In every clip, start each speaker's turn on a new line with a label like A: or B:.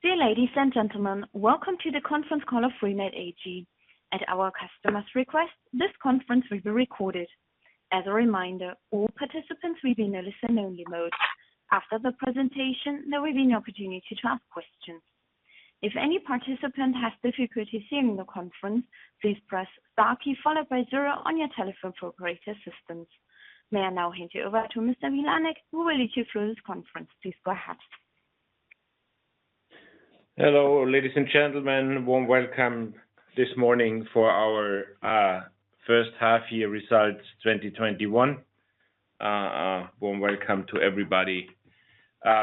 A: Dear ladies and gentlemen, welcome to the conference call of freenet AG. At our customers' request, this conference will be recorded. As a reminder, all participants will be in a listen-only mode. After the presentation, there will be an opportunity to ask questions. If any participant has difficulty hearing the conference, please press star key followed by zero on your telephone for operator assistance. May I now hand you over to Mr. Vilanek, who will lead you through this conference. Please go ahead.
B: Hello, ladies and gentlemen. Warm welcome this morning for our first half year results 2021. Warm welcome to everybody.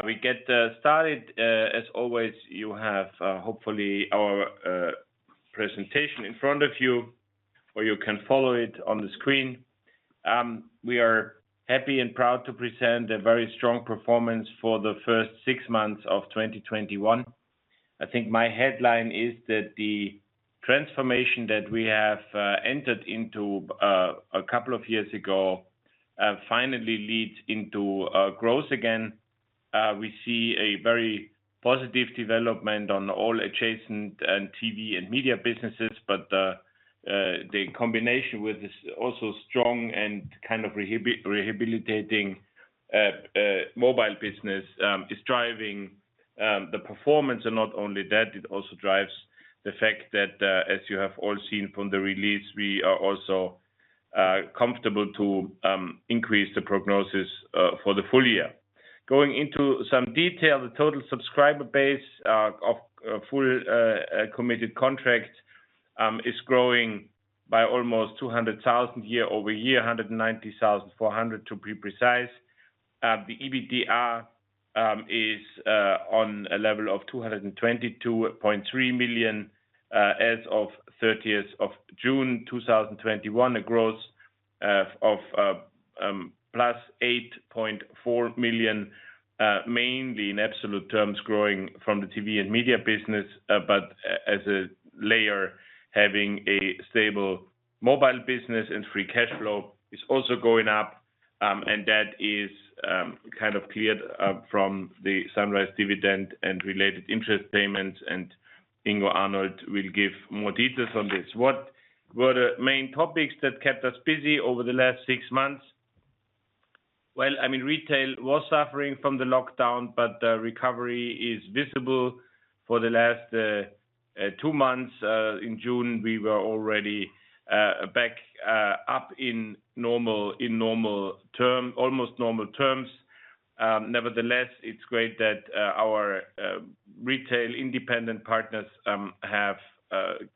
B: We get started. As always, you have hopefully our presentation in front of you, or you can follow it on the screen. We are happy and proud to present a very strong performance for the first six months of 2021. I think my headline is that the transformation that we have entered into a couple of years ago finally leads into growth again. We see a very positive development on all adjacent and TV and media businesses. The combination with this also strong and kind of rehabilitating mobile business, is driving the performance. Not only that, it also drives the fact that, as you have all seen from the release, we are also comfortable to increase the prognosis for the full-year. Going into some detail, the total subscriber base of full committed contracts is growing by almost 200,000 year-over-year, 190,400 to be precise. The EBITDA is on a level of 222.3 million as of 30th June, 2021, a growth of plus 8.4 million, mainly in absolute terms growing from the TV and media business. As a layer, having a stable mobile business and free cash flow is also going up, and that is kind of cleared from the Sunrise dividend and related interest payments, and Ingo Arnold will give more details on this. What were the main topics that kept us busy over the last six months? Well, retail was suffering from the lockdown, but recovery is visible for the last two months. In June, we were already back up in almost normal terms. Nevertheless, it's great that our retail independent partners have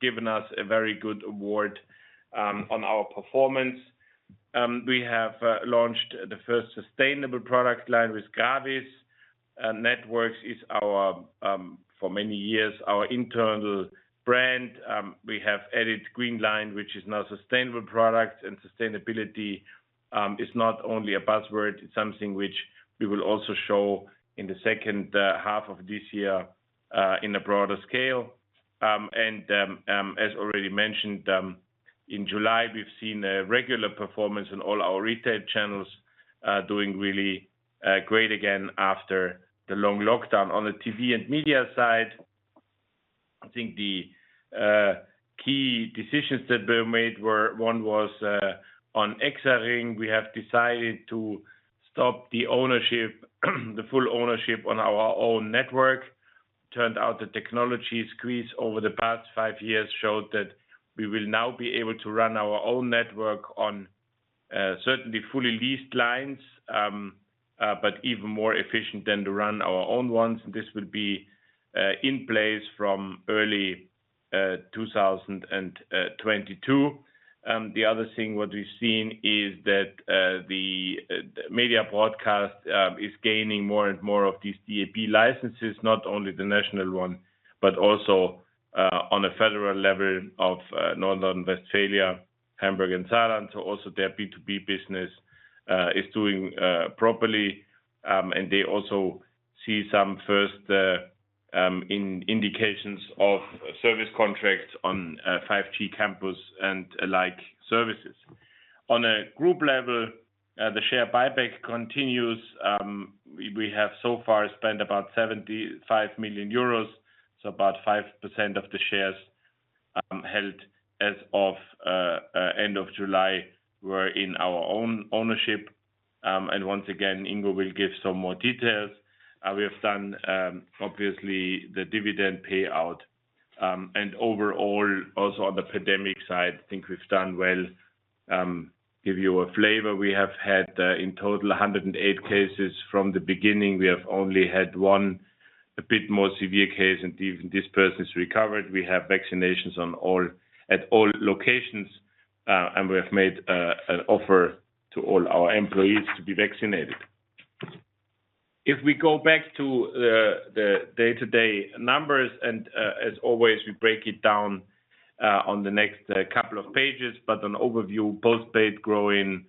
B: given us a very good award on our performance. We have launched the first sustainable product line with GRAVIS. Networks is our, for many years, our internal brand. We have added green LTE, which is now sustainable product. Sustainability is not only a buzzword, it's something which we will also show in the second half of this year in a broader scale. As already mentioned, in July, we've seen a regular performance in all our retail channels doing really great again after the long lockdown. On the TV and media side, I think the key decisions that were made were, one was on exiting. We have decided to stop the full ownership on our own network. Turned out the technology squeeze over the past five years showed that we will now be able to run our own network on certainly fully leased lines, but even more efficient than to run our own ones, and this will be in place from early 2022. The other thing, what we've seen is that Media Broadcast is gaining more and more of these DAB+ licenses, not only the national one, but also on a federal level of North Rhine-Westphalia, Hamburg, and Saarland. Also their B2B business is doing properly. They also see some first indications of service contracts on 5G campus and like services. On a group level, the share buyback continues. We have so far spent about 75 million euros, about 5% of the shares held as of end of July were in our own ownership. Once again, Ingo will give some more details. We have done, obviously, the dividend payout. Overall, also on the pandemic side, I think we've done well. Give you a flavor. We have had in total 108 cases from the beginning. We have only had one, a bit more severe case, and even this person's recovered. We have vaccinations at all locations. We have made an offer to all our employees to be vaccinated. If we go back to the day-to-day numbers, as always, we break it down on the next couple of pages. An overview, postpaid growing,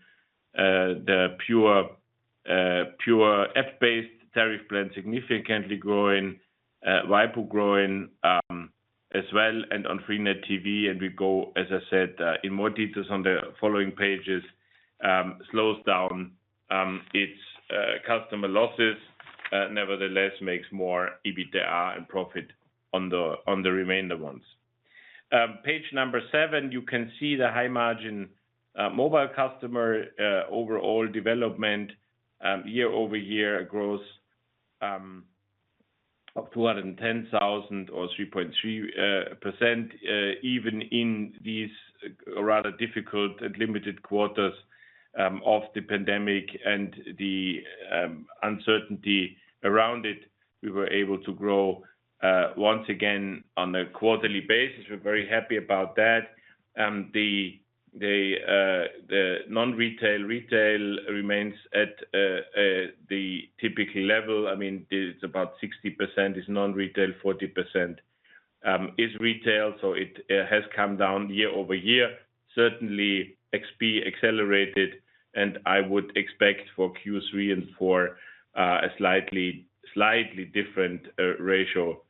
B: the pure app-based tariff plan significantly growing, VoIP growing as well, and on freenet TV. We go, as I said, in more details on the following pages slows down its customer losses, nevertheless makes more EBITDA and profit on the remainder ones. Page number seven, you can see the high margin mobile customer overall development year-over-year growth of 210,000 or 3.3%, even in these rather difficult limited quarters of the pandemic and the uncertainty around it. We were able to grow once again on a quarterly basis. We're very happy about that. The non-retail, retail remains at the typical level. It's about 60% is non-retail, 40% is retail. It has come down year-over-year. Certainly, XP accelerated, and I would expect for Q3 and four a slightly different ratio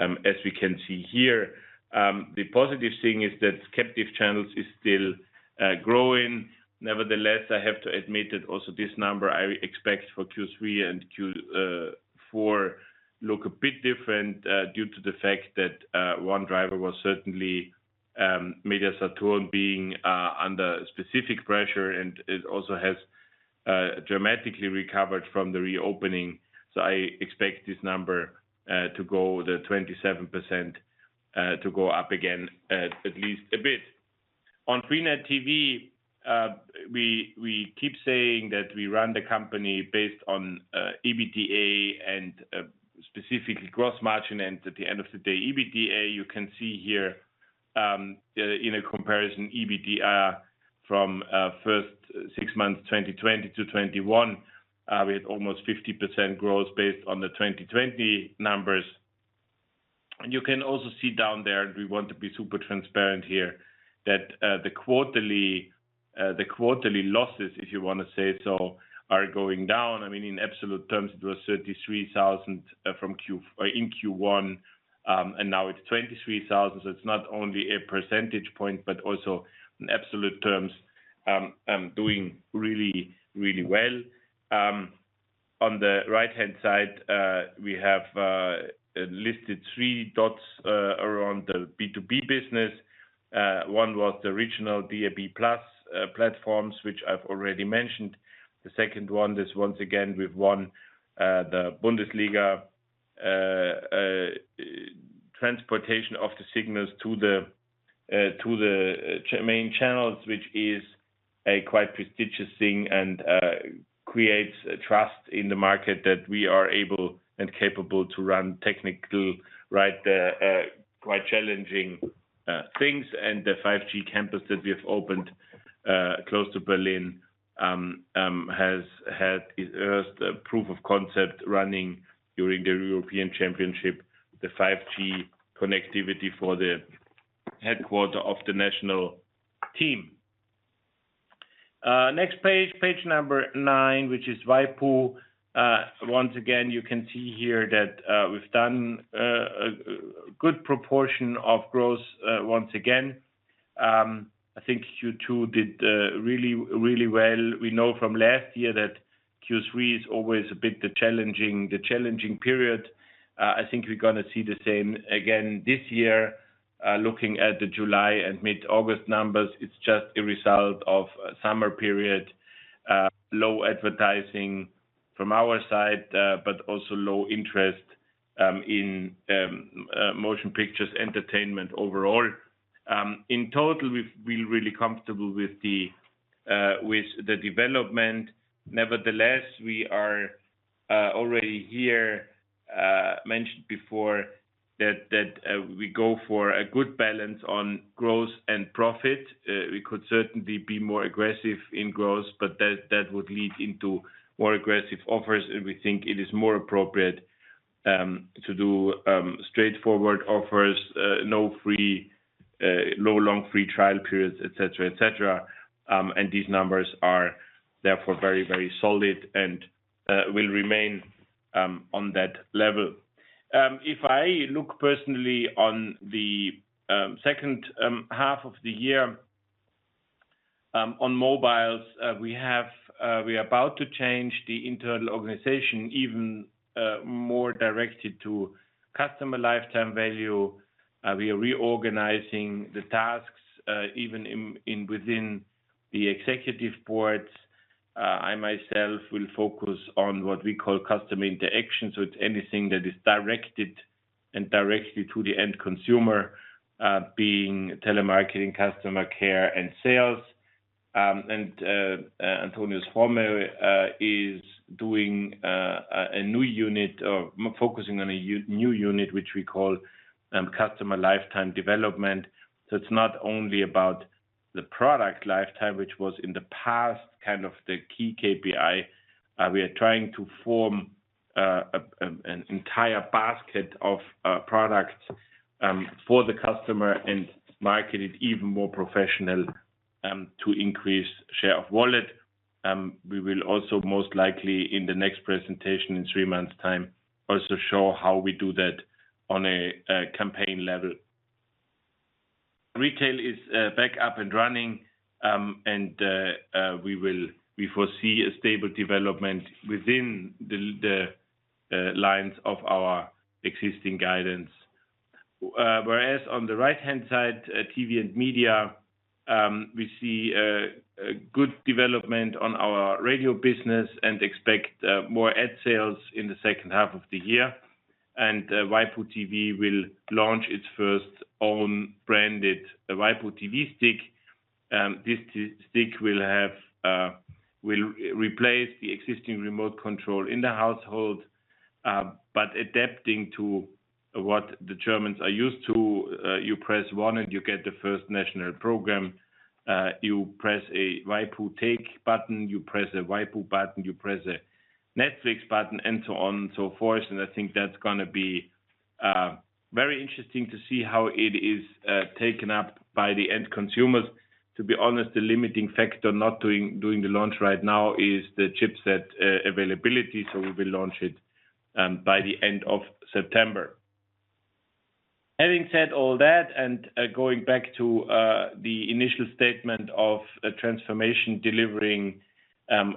B: as we can see here. The positive thing is that captive channels is still growing. Nevertheless, I have to admit that also this number I expect for Q3 and Q4 look a bit different, due to the fact that one driver was certainly Media Saturn being under specific pressure, and it also has dramatically recovered from the reopening. I expect this number, the 27%, to go up again at least a bit. On freenet TV, we keep saying that we run the company based on EBITDA and specifically gross margin. At the end of the day, EBITDA, you can see here, in a comparison, EBITDA from first six months, 2020 to 2021, we had almost 50% growth based on the 2020 numbers. You can also see down there, and we want to be super transparent here, that the quarterly losses, if you want to say so, are going down. In absolute terms, it was 33,000 in Q1, and now it's 23,000. It's not only a percentage point, but also in absolute terms, doing really, really well. On the right-hand side, we have listed three dots around the B2B business. One was the original DAB+ platforms, which I've already mentioned. The second one is, once again, we've won the Bundesliga transportation of the signals to the main channels, which is a quite prestigious thing and creates trust in the market that we are able and capable to run technical quite challenging things. The 5G campus that we have opened close to Berlin has had its first proof of concept running during the European Championship, the 5G connectivity for the headquarter of the national team. Next Page number nine, which is waipu. Once again, you can see here that we've done a good proportion of growth once again. I think Q2 did really well. We know from last year that Q3 is always a bit the challenging period. I think we're going to see the same again this year. Looking at the July and mid-August numbers, it's just a result of summer period, low advertising from our side, but also low interest in motion pictures, entertainment overall. In total, we're really comfortable with the development. We are already here, mentioned before that we go for a good balance on growth and profit. We could certainly be more aggressive in growth, but that would lead into more aggressive offers, and we think it is more appropriate to do straightforward offers, no long free trial periods, et cetera. These numbers are therefore very solid and will remain on that level. If I look personally on the second half of the year, on mobiles, we are about to change the internal organization even more directed to customer lifetime value. We are reorganizing the tasks, even within the executive board. I myself will focus on what we call customer interaction, so it's anything that is directed and directly to the end consumer, being telemarketing, customer care, and sales. Antonius Fromme is doing a new unit, or focusing on a new unit, which we call customer lifetime development. It's not only about the product lifetime, which was in the past kind of the key KPI. We are trying to form an entire basket of products for the customer and market it even more professional to increase share of wallet. We will also most likely, in the next presentation in 3 months' time, also show how we do that on a campaign level. Retail is back up and running, and we foresee a stable development within the lines of our existing guidance. On the right-hand side, TV and media, we see a good development on our radio business and expect more ad sales in the second half of the year. waipu.tv will launch its first own branded waipu.tv Stick. This stick will replace the existing remote control in the household, adapting to what the Germans are used to. You press one and you get the first national program. You press a waipu button, you press a waipu button, you press a Netflix button, and so on and so forth. I think that's going to be very interesting to see how it is taken up by the end consumers. To be honest, the limiting factor not doing the launch right now is the chipset availability, we will launch it by the end of September. Having said all that, going back to the initial statement of transformation delivering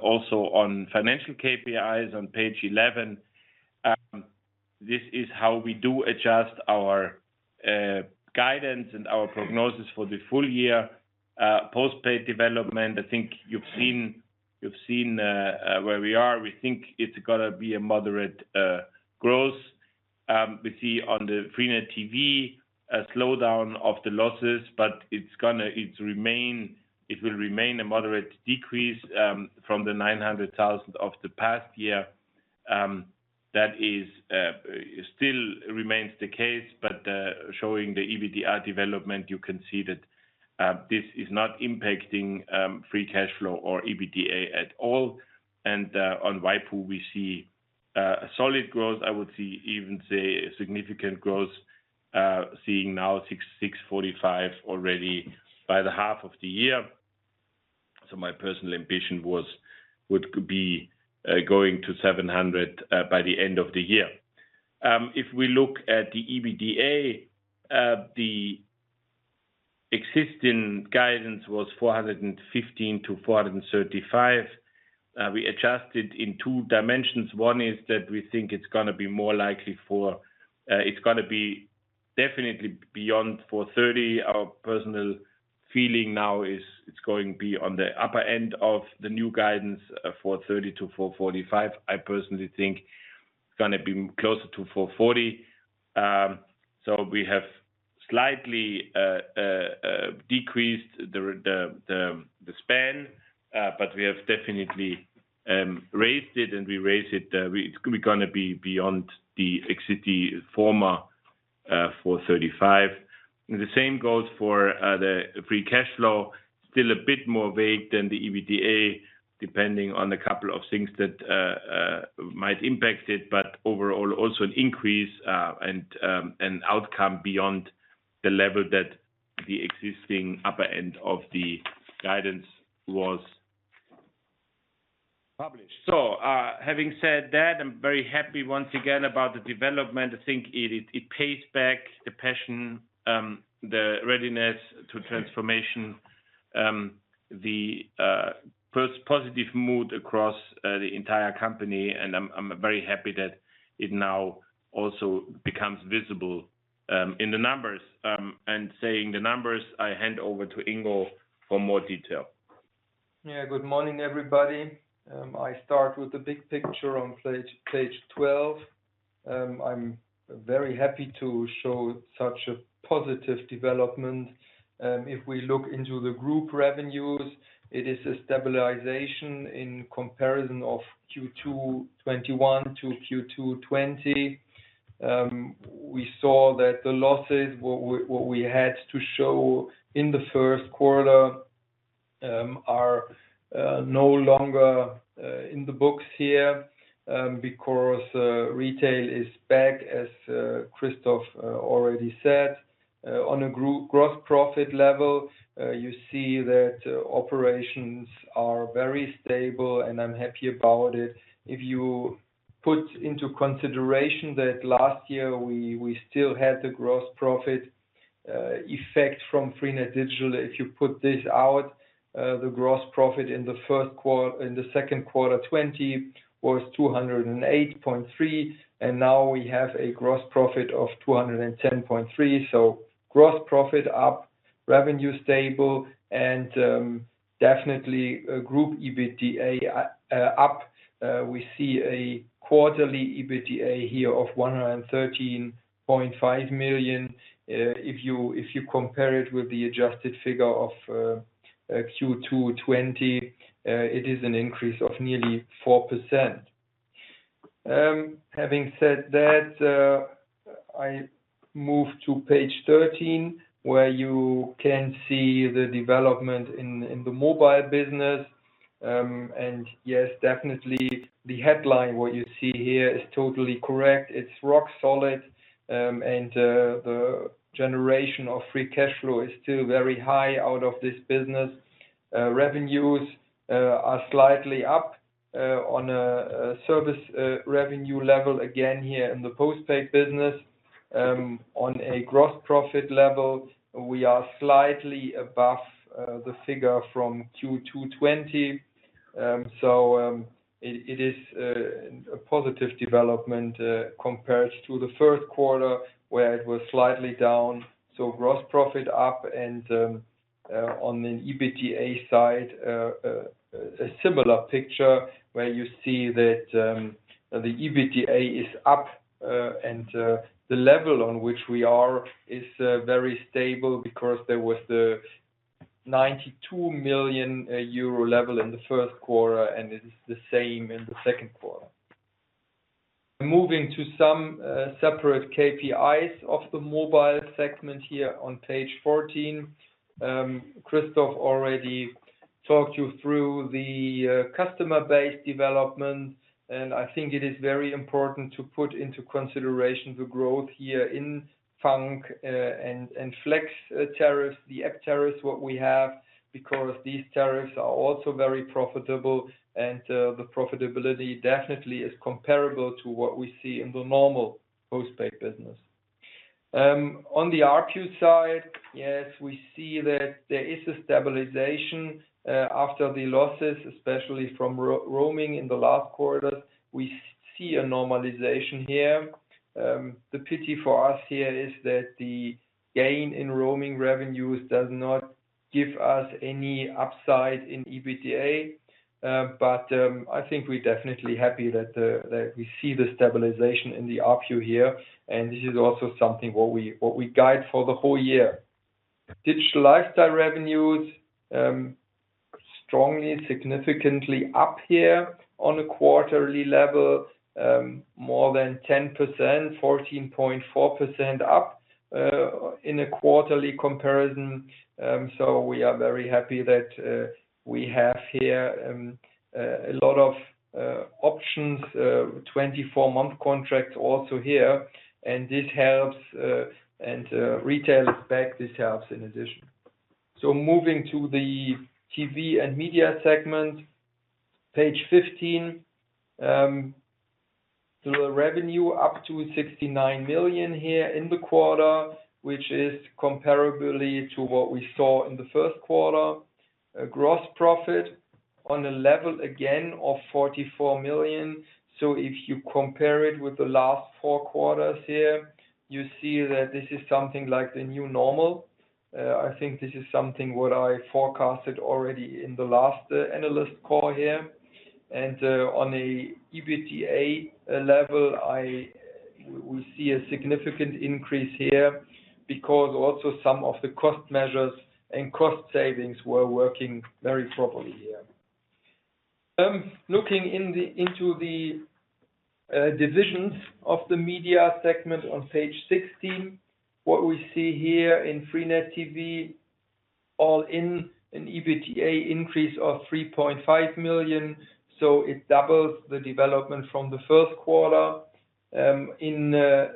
B: also on financial KPIs on Page 11. This is how we do adjust our guidance and our prognosis for the full-year. Postpaid development, I think you've seen where we are. We think it's going to be a moderate growth. We see on the freenet TV, a slowdown of the losses, but it will remain a moderate decrease from the 900,000 of the past year. That still remains the case, showing the EBITDA development, you can see that this is not impacting free cash flow or EBITDA at all. On waipu, we see a solid growth. I would even say a significant growth, seeing now 645 already by the half of the year. My personal ambition would be going to 700 by the end of the year. If we look at the EBITDA, the existing guidance was 415 million-435 million. We adjusted in two dimensions. One is that we think it is going to be definitely beyond 430 million. Our personal feeling now is it is going to be on the upper end of the new guidance, 430 million-445 million. I personally think it is going to be closer to 440 million. We have slightly decreased the span, but we have definitely raised it, and it is going to be beyond the existing former 435 million. The same goes for the free cash flow. Still a bit more vague than the EBITDA, depending on a couple of things that might impact it. Overall, also an increase, and an outcome beyond the level that the existing upper end of the guidance was published. Having said that, I am very happy once again about the development. I think it pays back the passion, the readiness to transformation, the positive mood across the entire company, and I am very happy that it now also becomes visible in the numbers. Saying the numbers, I hand over to Ingo for more detail.
C: Yeah. Good morning, everybody. I start with the big picture on Page 12. I am very happy to show such a positive development. If we look into the group revenues, it is a stabilization in comparison of Q2 2021 to Q2 2020. We saw that the losses, what we had to show in the first quarter, are no longer in the books here because retail is back, as Christoph already said. On a group gross profit level, you see that operations are very stable, and I am happy about it. If you put into consideration that last year we still had the gross profit effect from freenet Digital. If you put this out, the gross profit in the second quarter 2020 was 208.3, and now we have a gross profit of 210.3. Gross profit up, revenue stable, and definitely group EBITDA up. We see a quarterly EBITDA here of 113.5 million. If you compare it with the adjusted figure of Q2 2020, it is an increase of nearly 4%. Having said that, I move to Page 13, where you can see the development in the mobile business. Yes, definitely the headline, what you see here is totally correct. It's rock solid, and the generation of free cash flow is still very high out of this business. Revenues are slightly up on a service revenue level again here in the postpaid business. On a gross profit level, we are slightly above the figure from Q2 2020. It is a positive development compared to the first quarter where it was slightly down. Gross profit up and on the EBITDA side, a similar picture where you see that the EBITDA is up and the level on which we are is very stable because there was the 92 million euro level in the first quarter, and it is the same in the second quarter. Moving to some separate KPIs of the mobile segment here on Page 14. Christoph already talked you through the customer base development, and I think it is very important to put into consideration the growth here in FUNK and FLEX tariff, the app tariff, what we have, because these tariffs are also very profitable, and the profitability definitely is comparable to what we see in the normal postpaid business. On the ARPU side, yes, we see that there is a stabilization after the losses, especially from roaming in the last quarter. We see a normalization here. The pity for us here is that the gain in roaming revenues does not give us any upside in EBITDA. I think we're definitely happy that we see the stabilization in the ARPU here, and this is also something what we guide for the whole year. Digital lifestyle revenues, strongly, significantly up here on a quarterly level, more than 10%, 14.4% up in a quarterly comparison. We are very happy that we have here a lot of options, 24-month contracts also here. This helps, and retail is back, this helps in addition. Moving to the TV and media segment, Page 15. The revenue up to 69 million here in the quarter, which is comparably to what we saw in the first quarter. A gross profit on a level again of 44 million. If you compare it with the last four quarters here, you see that this is something like the new normal. I think this is something what I forecasted already in the last analyst call here. On an EBITDA level, we see a significant increase here because also some of the cost measures and cost savings were working very properly here. Looking into the divisions of the media segment on Page 16. What we see here in freenet TV, all-in, an EBITDA increase of 3.5 million. It doubles the development from the first quarter. In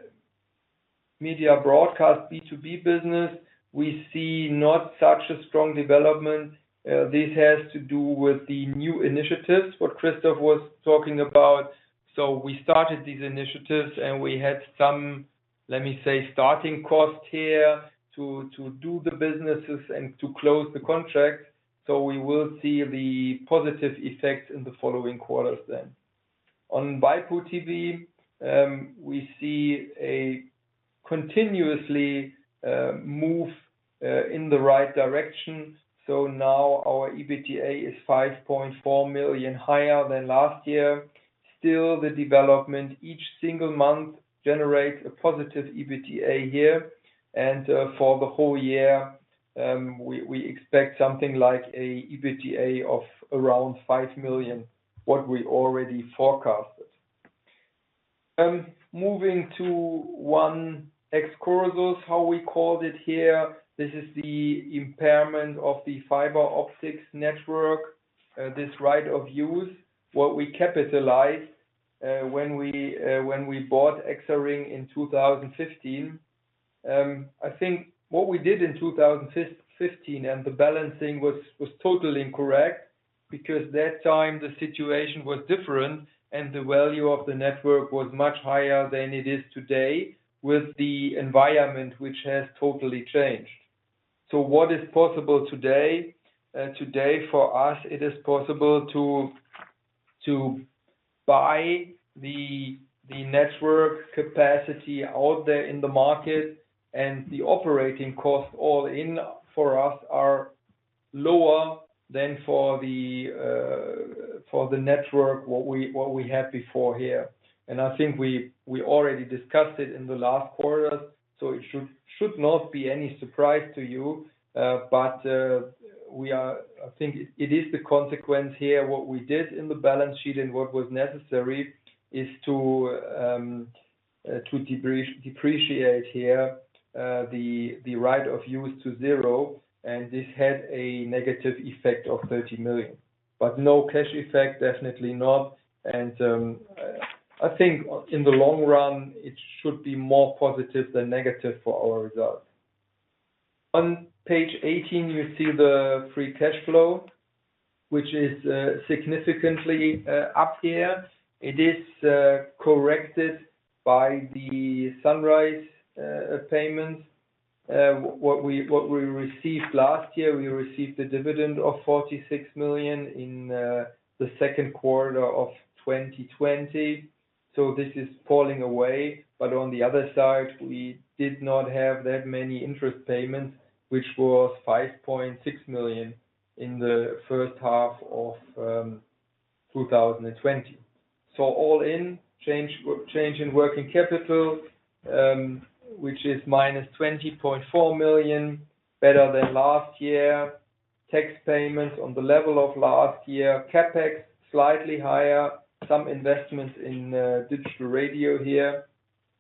C: Media Broadcast B2B business, we see not such a strong development. This has to do with the new initiatives, what Christoph was talking about. We started these initiatives, and we had some, let me say, starting costs here to do the businesses and to close the contract. We will see the positive effect in the following quarters then. On waipu.tv, we see a continuously move in the right direction. Now our EBITDA is 5.4 million higher than last year. Still, the development each single month generates a positive EBITDA here. For the whole year, we expect something like an EBITDA of around 5 million, what we already forecasted. Moving to one excursus, how we called it here. This is the impairment of the fiber optics network. This right of use, what we capitalized when we bought EXARING in 2015. I think what we did in 2015 and the balancing was totally incorrect because that time the situation was different and the value of the network was much higher than it is today with the environment which has totally changed. What is possible today? Today for us, it is possible to buy the network capacity out there in the market, and the operating costs all in for us are lower than for the network, what we had before here. I think we already discussed it in the last quarters, so it should not be any surprise to you. I think it is the consequence here. What we did in the balance sheet and what was necessary is to depreciate here the right of use to zero, and this had a negative effect of 30 million. No cash effect, definitely not. I think in the long run, it should be more positive than negative for our results. On Page 18, you see the free cash flow, which is significantly up here. It is corrected by the Sunrise payments. What we received last year, we received a dividend of 46 million in the second quarter of 2020. This is falling away. On the other side, we did not have that many interest payments, which was 5.6 million in the first half of 2020. All in, change in working capital, which is -20.4 million, better than last year. Tax payments on the level of last year. CapEx, slightly higher. Some investment in digital radio here.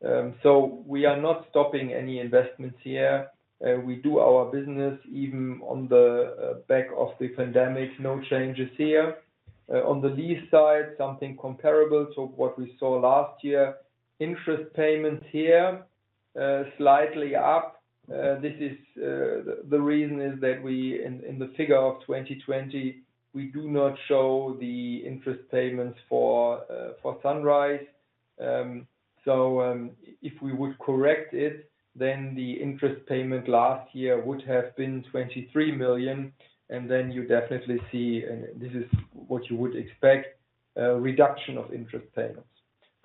C: We are not stopping any investments here. We do our business even on the back of the pandemic. No changes here. On the lease side, something comparable to what we saw last year. Interest payments here, slightly up. The reason is that in the figure of 2020, we do not show the interest payments for Sunrise. If we would correct it, then the interest payment last year would have been 23 million, and then you definitely see, and this is what you would expect, a reduction of interest payments.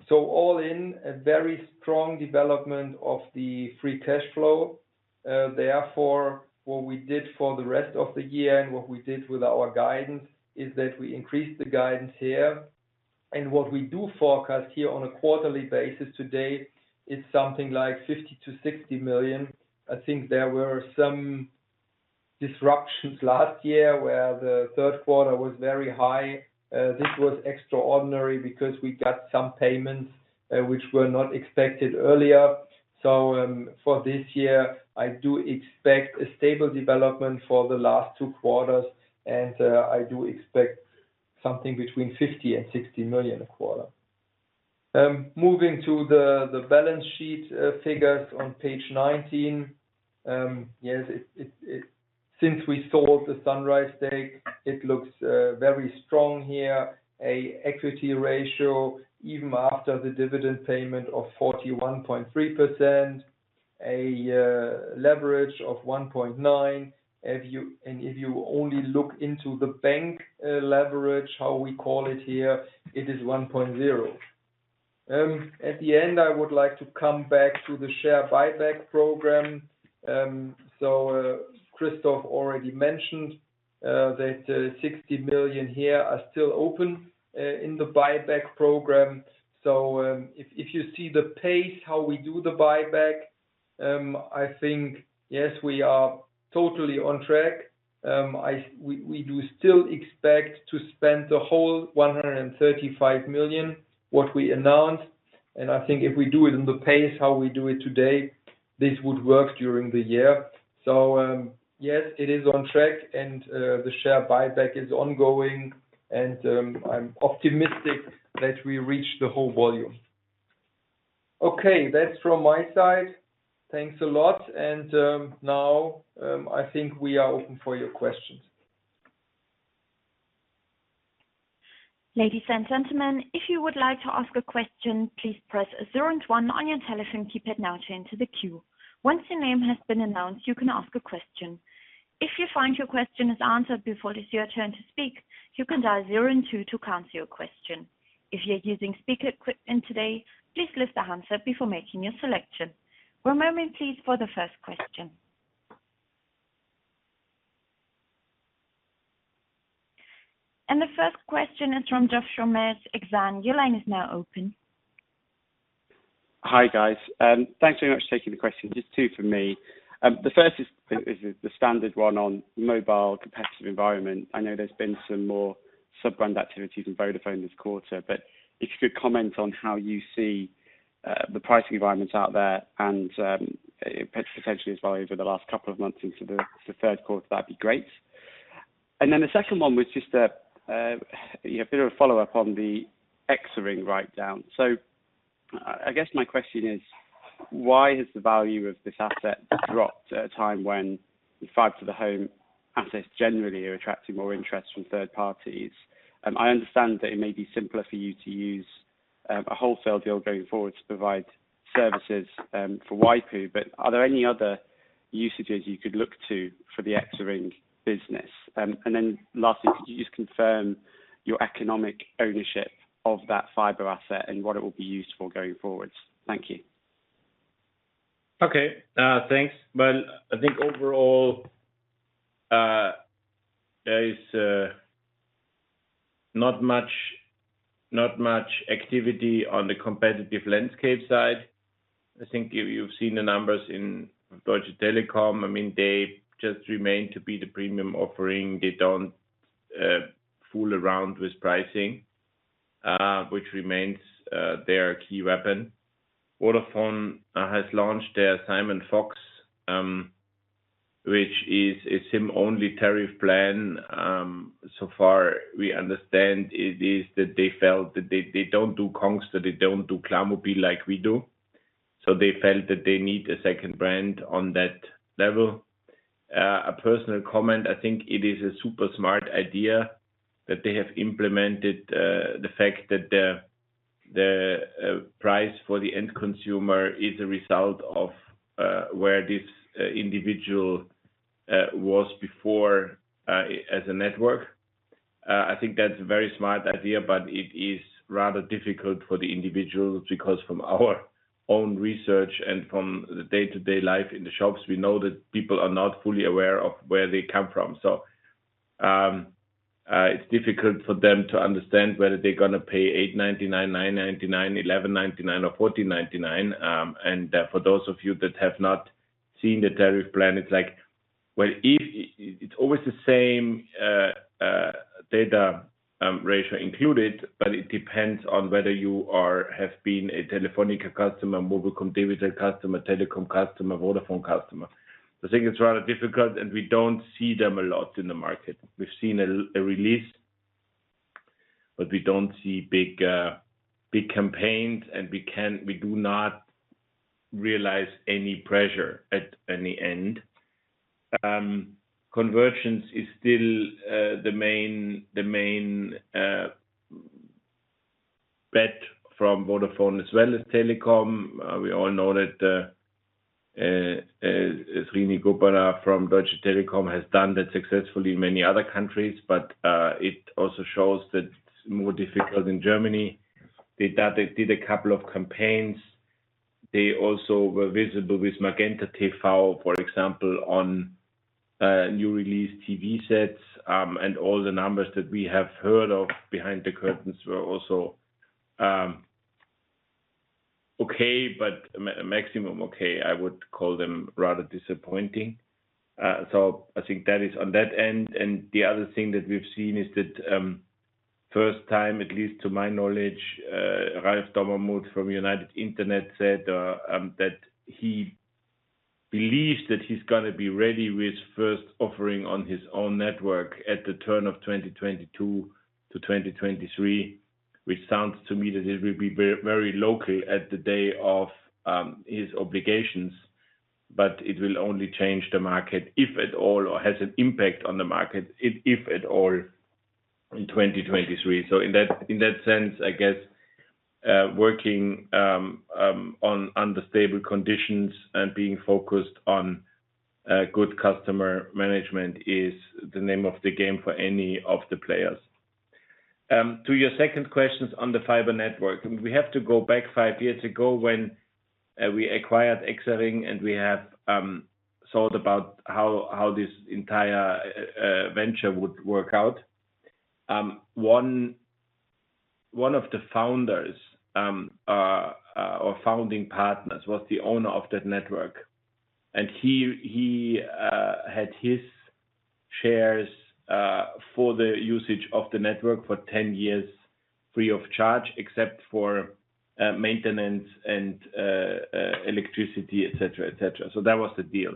C: All in, a very strong development of the free cash flow. Therefore, what we did for the rest of the year and what we did with our guidance is that we increased the guidance here. What we do forecast here on a quarterly basis to date is something like 50 million-60 million. I think there were some disruptions last year, where the third quarter was very high. This was extraordinary because we got some payments which were not expected earlier. For this year, I do expect a stable development for the last two quarters, and I do expect something between 50 and 60 million a quarter. Moving to the balance sheet figures on Page 19. Since we sold the Sunrise stake, it looks very strong here. A equity ratio, even after the dividend payment of 41.3%. A leverage of 1.9. If you only look into the bank leverage, how we call it here, it is 1.0. At the end, I would like to come back to the share buyback program. Christoph already mentioned that 60 million here are still open in the buyback program. If you see the pace, how we do the buyback, I think, yes, we are totally on track. We do still expect to spend the whole 135 million, what we announced. I think if we do it in the pace how we do it today, this would work during the year. Yes, it is on track and the share buyback is ongoing, and I'm optimistic that we reach the whole volume. Okay, that's from my side. Thanks a lot. Now, I think we are open for your questions.
A: Ladies and gentlemen if you would like to ask a question please press zero one on your telephone keypad now to enter the queue. Once your name has been announced you can ask a question. If you find your question is answered before it is your time to speak you can dial zero two to cancel your question. If you are using the speaker today, please lift your handset before making your selection. One moment please for the first question. The first question is from Joshua Mills, Exane. Your line is now open.
D: Hi, guys. Thanks very much for taking the question. Just two from me. The first is the standard one on mobile competitive environment. I know there's been some more sub-brand activities in Vodafone this quarter, but if you could comment on how you see the pricing environments out there and potentially as well over the last couple of months into the third quarter, that'd be great. The second one was just a bit of a follow-up on the EXARING write-down. I guess my question is, why has the value of this asset dropped at a time when the fiber to the home assets generally are attracting more interest from third parties? I understand that it may be simpler for you to use a wholesale deal going forward to provide services for waipu, but are there any other usages you could look to for the EXARING business? Lastly, could you just confirm your economic ownership of that fiber asset and what it will be used for going forward? Thank you.
B: Okay. Thanks. Well, I think overall, there is not much activity on the competitive landscape side. I think you've seen the numbers in Deutsche Telekom. They just remain to be the premium offering. They don't fool around with pricing, which remains their key weapon. Vodafone has launched their SIMon mobile Which is its own tariff plan. Far, we understand it is that they felt that they don't do Congstar, they don't do klarmobil like we do. They felt that they need a second brand on that level. A personal comment, I think it is a super smart idea that they have implemented the fact that the price for the end consumer is a result of where this individual was before as a network. I think that's a very smart idea, it is rather difficult for the individuals, because from our own research and from the day-to-day life in the shops, we know that people are not fully aware of where they come from. It's difficult for them to understand whether they're going to pay 8.99, 9.99, 11.99 or 14.99. For those of you that have not seen the tariff plan, it's like, well, it's always the same data ratio included, but it depends on whether you have been a Telefónica customer, mobilcom-debitel customer, Telekom customer, Vodafone customer. I think it's rather difficult, we don't see them a lot in the market. We've seen a release, we don't see big campaigns, we do not realize any pressure at any end. Convergence is still the main bet from Vodafone as well as Telekom. We all know that Srini Gopalan from Deutsche Telekom has done that successfully in many other countries. It also shows that it's more difficult in Germany. They did a couple of campaigns. They also were visible with MagentaTV, for example, on new release TV sets. All the numbers that we have heard of behind the curtains were also okay, maximum okay. I would call them rather disappointing. I think that is on that end. The other thing that we've seen is that first time, at least to my knowledge, Ralf Dommermuth from United Internet said that he believes that he's going to be ready with first offering on his own network at the turn of 2022 to 2023, which sounds to me that it will be very locally at the day of his obligations, but it will only change the market, if at all, or has an impact on the market, if at all, in 2023. In that sense, I guess, working under stable conditions and being focused on good customer management is the name of the game for any of the players. To your second questions on the fiber network, we have to go back five years ago when we acquired EXARING and we have thought about how this entire venture would work out. One of the founders or founding partners was the owner of that network, and he had his shares for the usage of the network for 10 years, free of charge, except for maintenance and electricity, et cetera. That was the deal.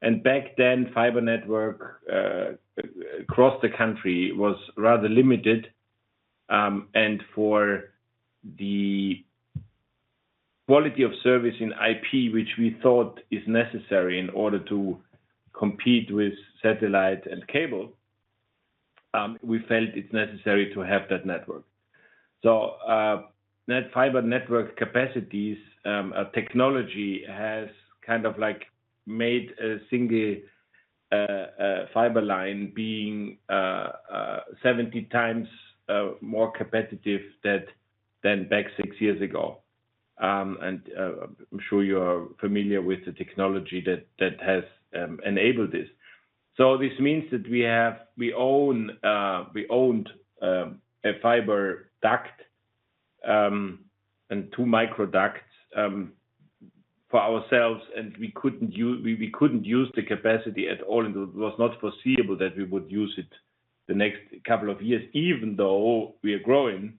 B: Back then, fiber network across the country was rather limited. For the quality of service in IP, which we thought is necessary in order to compete with satellite and cable, we felt it's necessary to have that network. That fiber network capacities technology has kind of made a single fiber line being 70x more competitive than back six years ago. I'm sure you are familiar with the technology that has enabled this. This means that we owned a fiber duct and two micro ducts for ourselves, and we couldn't use the capacity at all, and it was not foreseeable that we would use it the next couple of years, even though we are growing.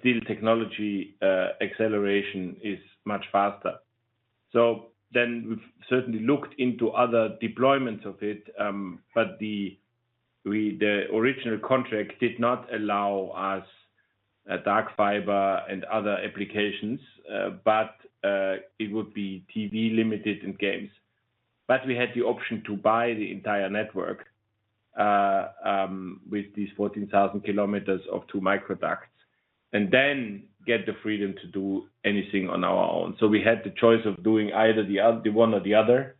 B: Still, technology acceleration is much faster. We've certainly looked into other deployments of it. The original contract did not allow us dark fiber and other applications. It would be TV limited and games. We had the option to buy the entire network with these 14,000 km of two micro ducts and then get the freedom to do anything on our own. We had the choice of doing either the one or the other.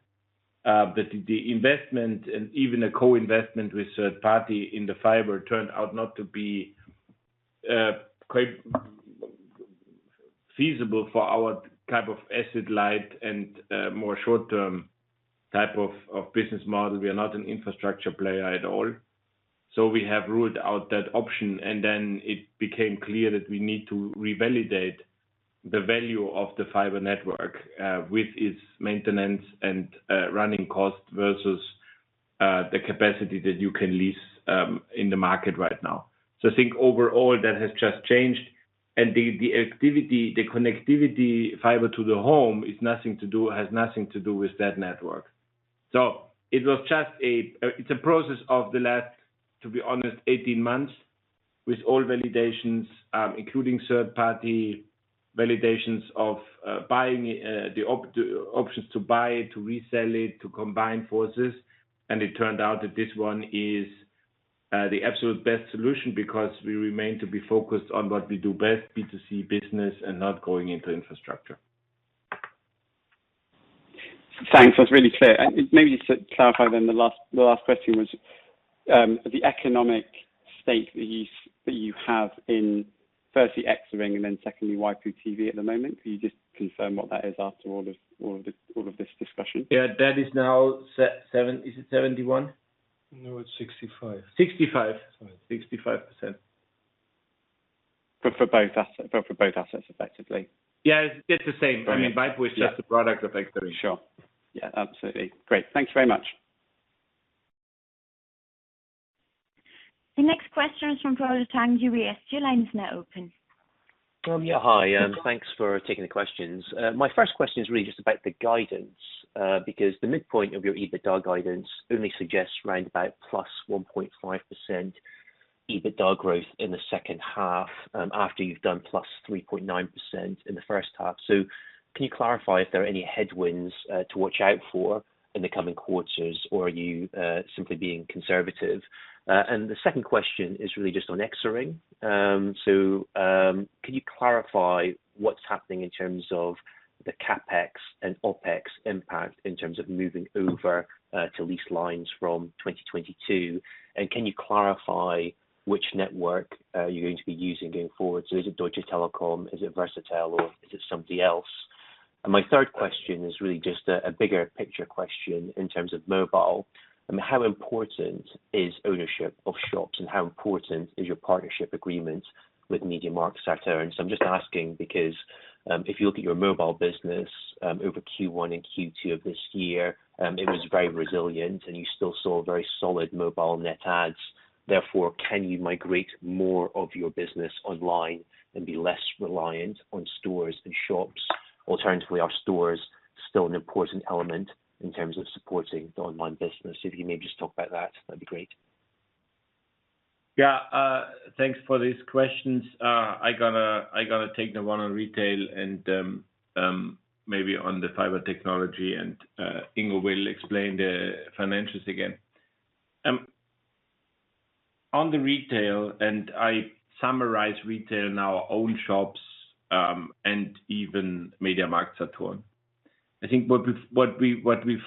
B: The investment and even a co-investment with third party in the fiber turned out not to be quite feasible for our type of asset light and more short-term type of business model. We are not an infrastructure player at all. We have ruled out that option. Then it became clear that we need to revalidate the value of the fiber network with its maintenance and running cost versus the capacity that you can lease in the market right now. I think overall, that has just changed. The connectivity fiber to the home has nothing to do with that network. It's a process of the last, to be honest, 18 months, with all validations, including third-party validations of the options to buy, to resell it, to combine forces. It turned out that this one is the absolute best solution because we remain to be focused on what we do best, B2C business and not going into infrastructure.
D: Thanks. That's really clear. Maybe just to clarify then the last question was, the economic state that you have in, firstly, EXARING, and then secondly, waipu.tv at the moment. Could you just confirm what that is after all of this discussion?
B: Yeah. That is now set. Is it 71%? No, it's 65%. 65%. Sorry. 65%.
D: For both assets, effectively.
B: Yeah. It's the same. I mean, waipu is just a product of EXARING.
D: Sure. Yeah, absolutely. Great. Thanks very much.
A: The next question is from Polo Tang, UBS. Your line is now open.
E: Yeah. Hi. Thanks for taking the questions. My first question is really just about the guidance. The midpoint of your EBITDA guidance only suggests around about +1.5% EBITDA growth in the second half, after you've done +3.9% in the first half. Can you clarify if there are any headwinds to watch out for in the coming quarters, or are you simply being conservative? The second question is really just on EXARING. Can you clarify what's happening in terms of the CapEx and OpEx impact in terms of moving over to lease lines from 2022? Can you clarify which network you're going to be using going forward? Is it Deutsche Telekom? Is it Versatel, or is it somebody else? My third question is really just a bigger picture question in terms of mobile. How important is ownership of shops and how important is your partnership agreement with MediaMarktSaturn? I'm just asking because, if you look at your mobile business, over Q1 and Q2 of this year, it was very resilient, and you still saw very solid mobile net adds. Can you migrate more of your business online and be less reliant on stores and shops? Are stores still an important element in terms of supporting the online business? If you may just talk about that would be great.
B: Yeah. Thanks for these questions. I got to take the one on retail and maybe on the fiber technology. Ingo will explain the financials again. On the retail, I summarize retail in our own shops, even MediaMarktSaturn. I think what we've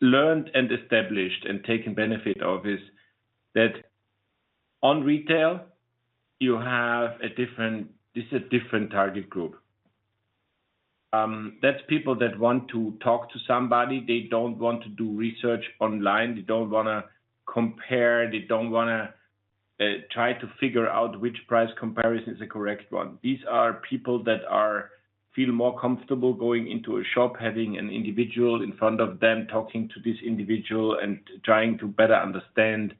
B: learned and established and taken benefit of is that on retail, this is a different target group. That's people that want to talk to somebody. They don't want to do research online. They don't want to compare. They don't want to try to figure out which price comparison is the correct one. These are people that feel more comfortable going into a shop, having an individual in front of them, talking to this individual, and trying to better understand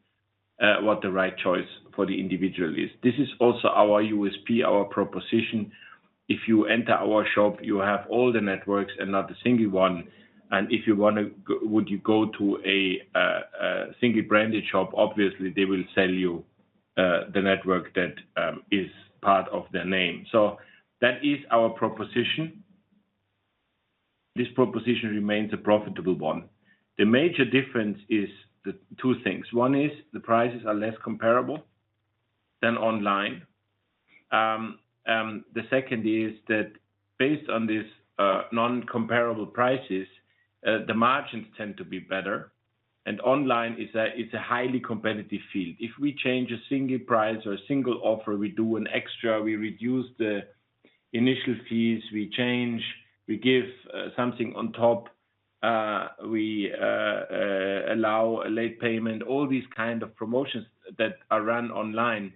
B: what the right choice for the individual is. This is also our USP, our proposition. If you enter our shop, you have all the networks and not a single one. Would you go to a single-branded shop? Obviously, they will sell you the network that is part of their name. That is our proposition. This proposition remains a profitable one. The major difference is two things. One is the prices are less comparable than online. The second is that based on these non-comparable prices, the margins tend to be better, and online, it's a highly competitive field. If we change a single price or a single offer, we do an extra, we reduce the initial fees, we change, we give something on top, we allow a late payment. All these kind of promotions that are run online,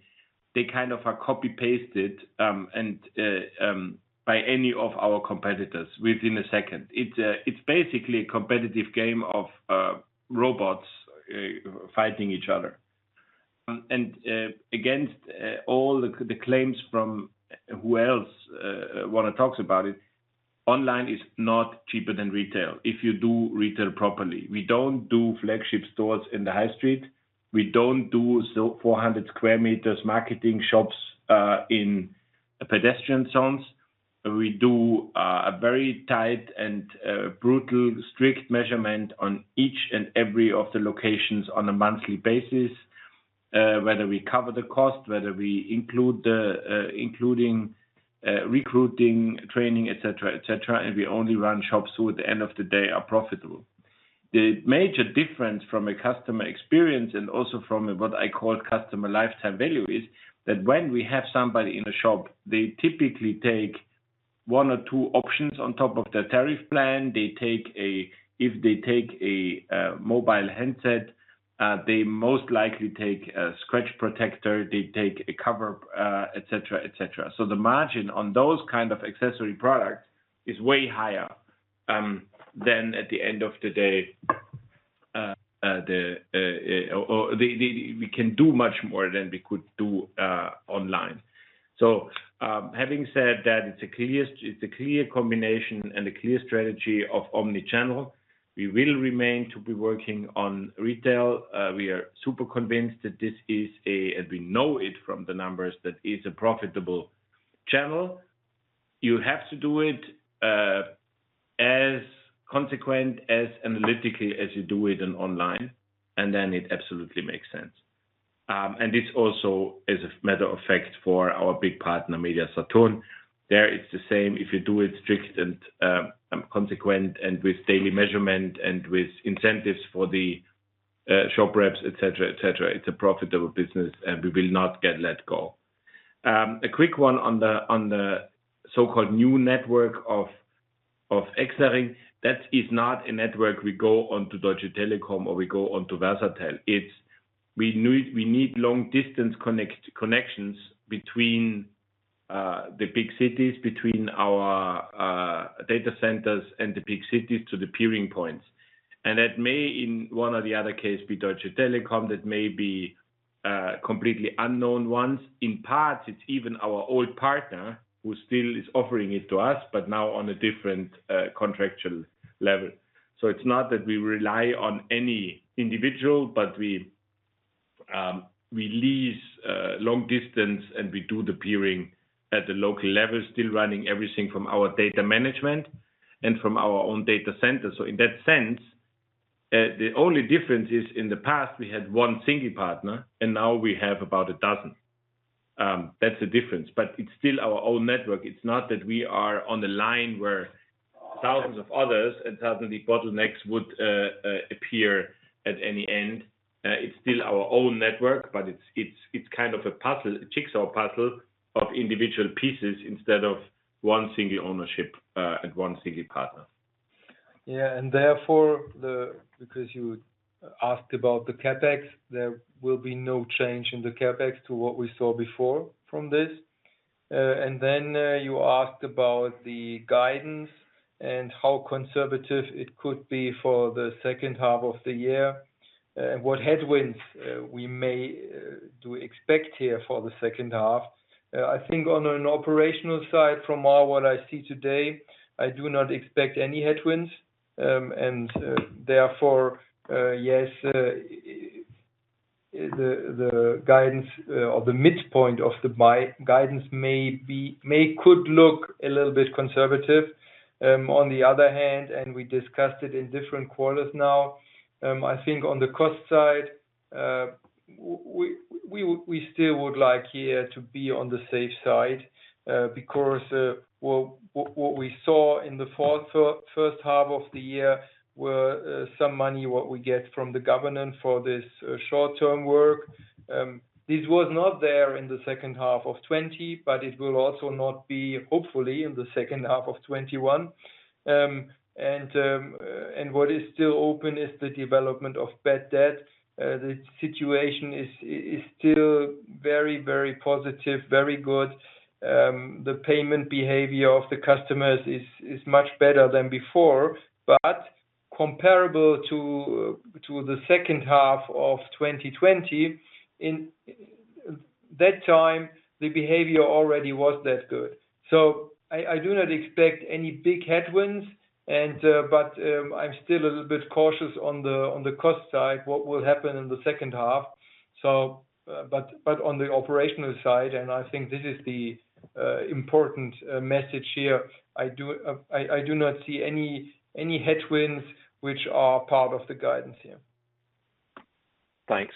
B: they kind of are copy-pasted by any of our competitors within a second. It's basically a competitive game of robots fighting each other. Against all the claims from who else, want to talks about it, online is not cheaper than retail if you do retail properly. We don't do flagship stores in the high street. We don't do 400 sq m marketing shops in pedestrian zones. We do a very tight and brutal, strict measurement on each and every of the locations on a monthly basis. Whether we cover the cost, whether we including recruiting, training, et cetera. We only run shops who at the end of the day are profitable. The major difference from a customer experience and also from what I call customer lifetime value is that when we have somebody in a shop, they typically take one or two options on top of their tariff plan. If they take a mobile handset they most likely take a scratch protector, they take a cover, et cetera. The margin on those kind of accessory products is way higher than, at the end of the day, we can do much more than we could do online. Having said that, it's a clear combination and a clear strategy of omni-channel. We will remain to be working on retail. We are super convinced that this is a, as we know it from the numbers, that is a profitable channel. You have to do it as consequent, as analytically as you do it in online, then it absolutely makes sense. It's also, as a matter of fact, for our big partner, Media-Saturn. There it's the same. If you do it strict and consequent and with daily measurement and with incentives for the shop reps, et cetera, it's a profitable business. We will not let go. A quick one on the so-called new network of EXARING. That is not a network we go onto Deutsche Telekom or we go onto Versatel. It's we need long distance connections between the big cities, between our data centers and the big cities to the peering points. That may, in one or the other case, be Deutsche Telekom, that may be completely unknown ones. In part, it's even our old partner who still is offering it to us, now on a different contractual level. It's not that we rely on any individual, but we lease long distance, and we do the peering at the local level, still running everything from our data management and from our own data center. In that sense, the only difference is in the past we had one single partner, and now we have about a dozen. That's the difference, but it's still our own network. It's not that we are on the line where thousands of others and suddenly bottlenecks would appear at any end. It's still our own network, but it's kind of a jigsaw puzzle of individual pieces instead of one single ownership and one single partner.
C: Yeah, therefore, because you asked about the CapEx, there will be no change in the CapEx to what we saw before from this. Then you asked about the guidance and how conservative it could be for the second half of the year and what headwinds we may do expect here for the second half. I think on an operational side, from all what I see today, I do not expect any headwinds. Therefore, yes, the guidance or the midpoint of my guidance could look a little bit conservative. On the other hand, and we discussed it in different quarters now, I think on the cost side, we still would like here to be on the safe side. What we saw in the first half of the year were some money what we get from the government for this short-term work. This was not there in the second half of 2020, it will also not be, hopefully, in the second half of 2021. What is still open is the development of bad debt. The situation is still very positive, very good. The payment behavior of the customers is much better than before. Comparable to the second half of 2020, in that time, the behavior already was that good. I do not expect any big headwinds, but I'm still a little bit cautious on the cost side, what will happen in the second half. On the operational side, and I think this is the important message here, I do not see any headwinds which are part of the guidance here.
E: Thanks.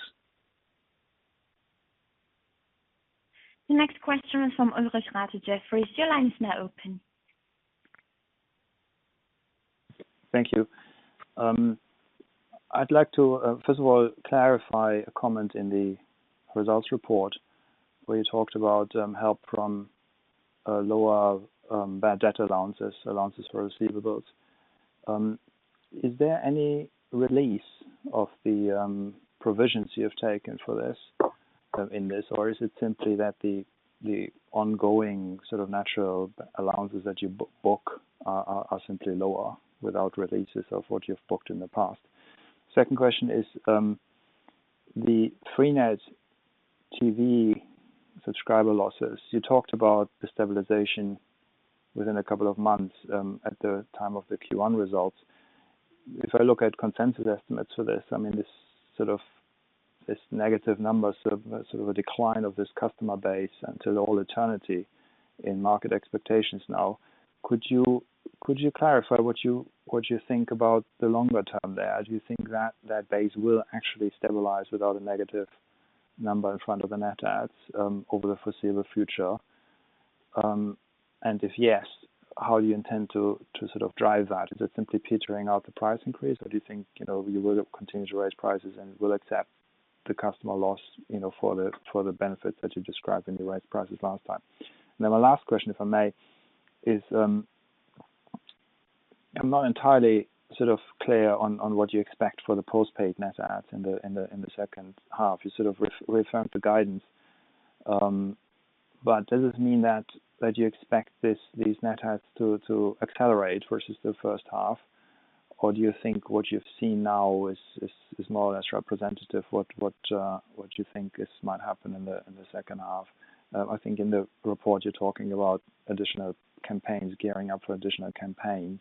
A: The next question is from Ulrich Rathe, Jefferies. Your line is now open.
F: Thank you. I'd like to, first of all, clarify a comment in the results report where you talked about help from lower bad debt allowances for receivables. Is there any release of the provisions you have taken for this, in this, or is it simply that the ongoing sort of natural allowances that you book are simply lower without releases of what you've booked in the past? Second question is, the freenet TV subscriber losses. You talked about the stabilization within a couple of months at the time of the Q1 results. If I look at consensus estimates for this negative number, a decline of this customer base until all eternity in market expectations now. Could you clarify what you think about the longer term there? Do you think that that base will actually stabilize without a negative number in front of the net adds over the foreseeable future? If yes, how do you intend to drive that? Is it simply petering out the price increase, or do you think you will continue to raise prices and will accept the customer loss for the benefits that you described in the raised prices last time? My last question, if I may, is not entirely clear on what you expect for the postpaid net adds in the second half. You sort of referred to guidance. Does it mean that you expect these net adds to accelerate versus the first half, or do you think what you've seen now is more or less representative what you think might happen in the second half? I think in the report you're talking about gearing up for additional campaigns,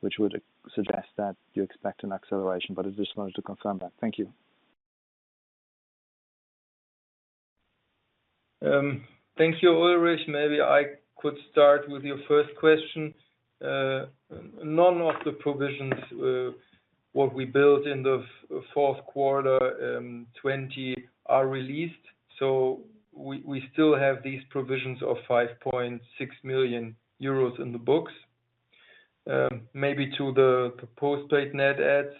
F: which would suggest that you expect an acceleration, but I just wanted to confirm that. Thank you.
C: Thank you, Ulrich. I could start with your first question. None of the provisions, what we built in the fourth quarter 2020 are released. We still have these provisions of 5.6 million euros in the books. To the postpaid net adds,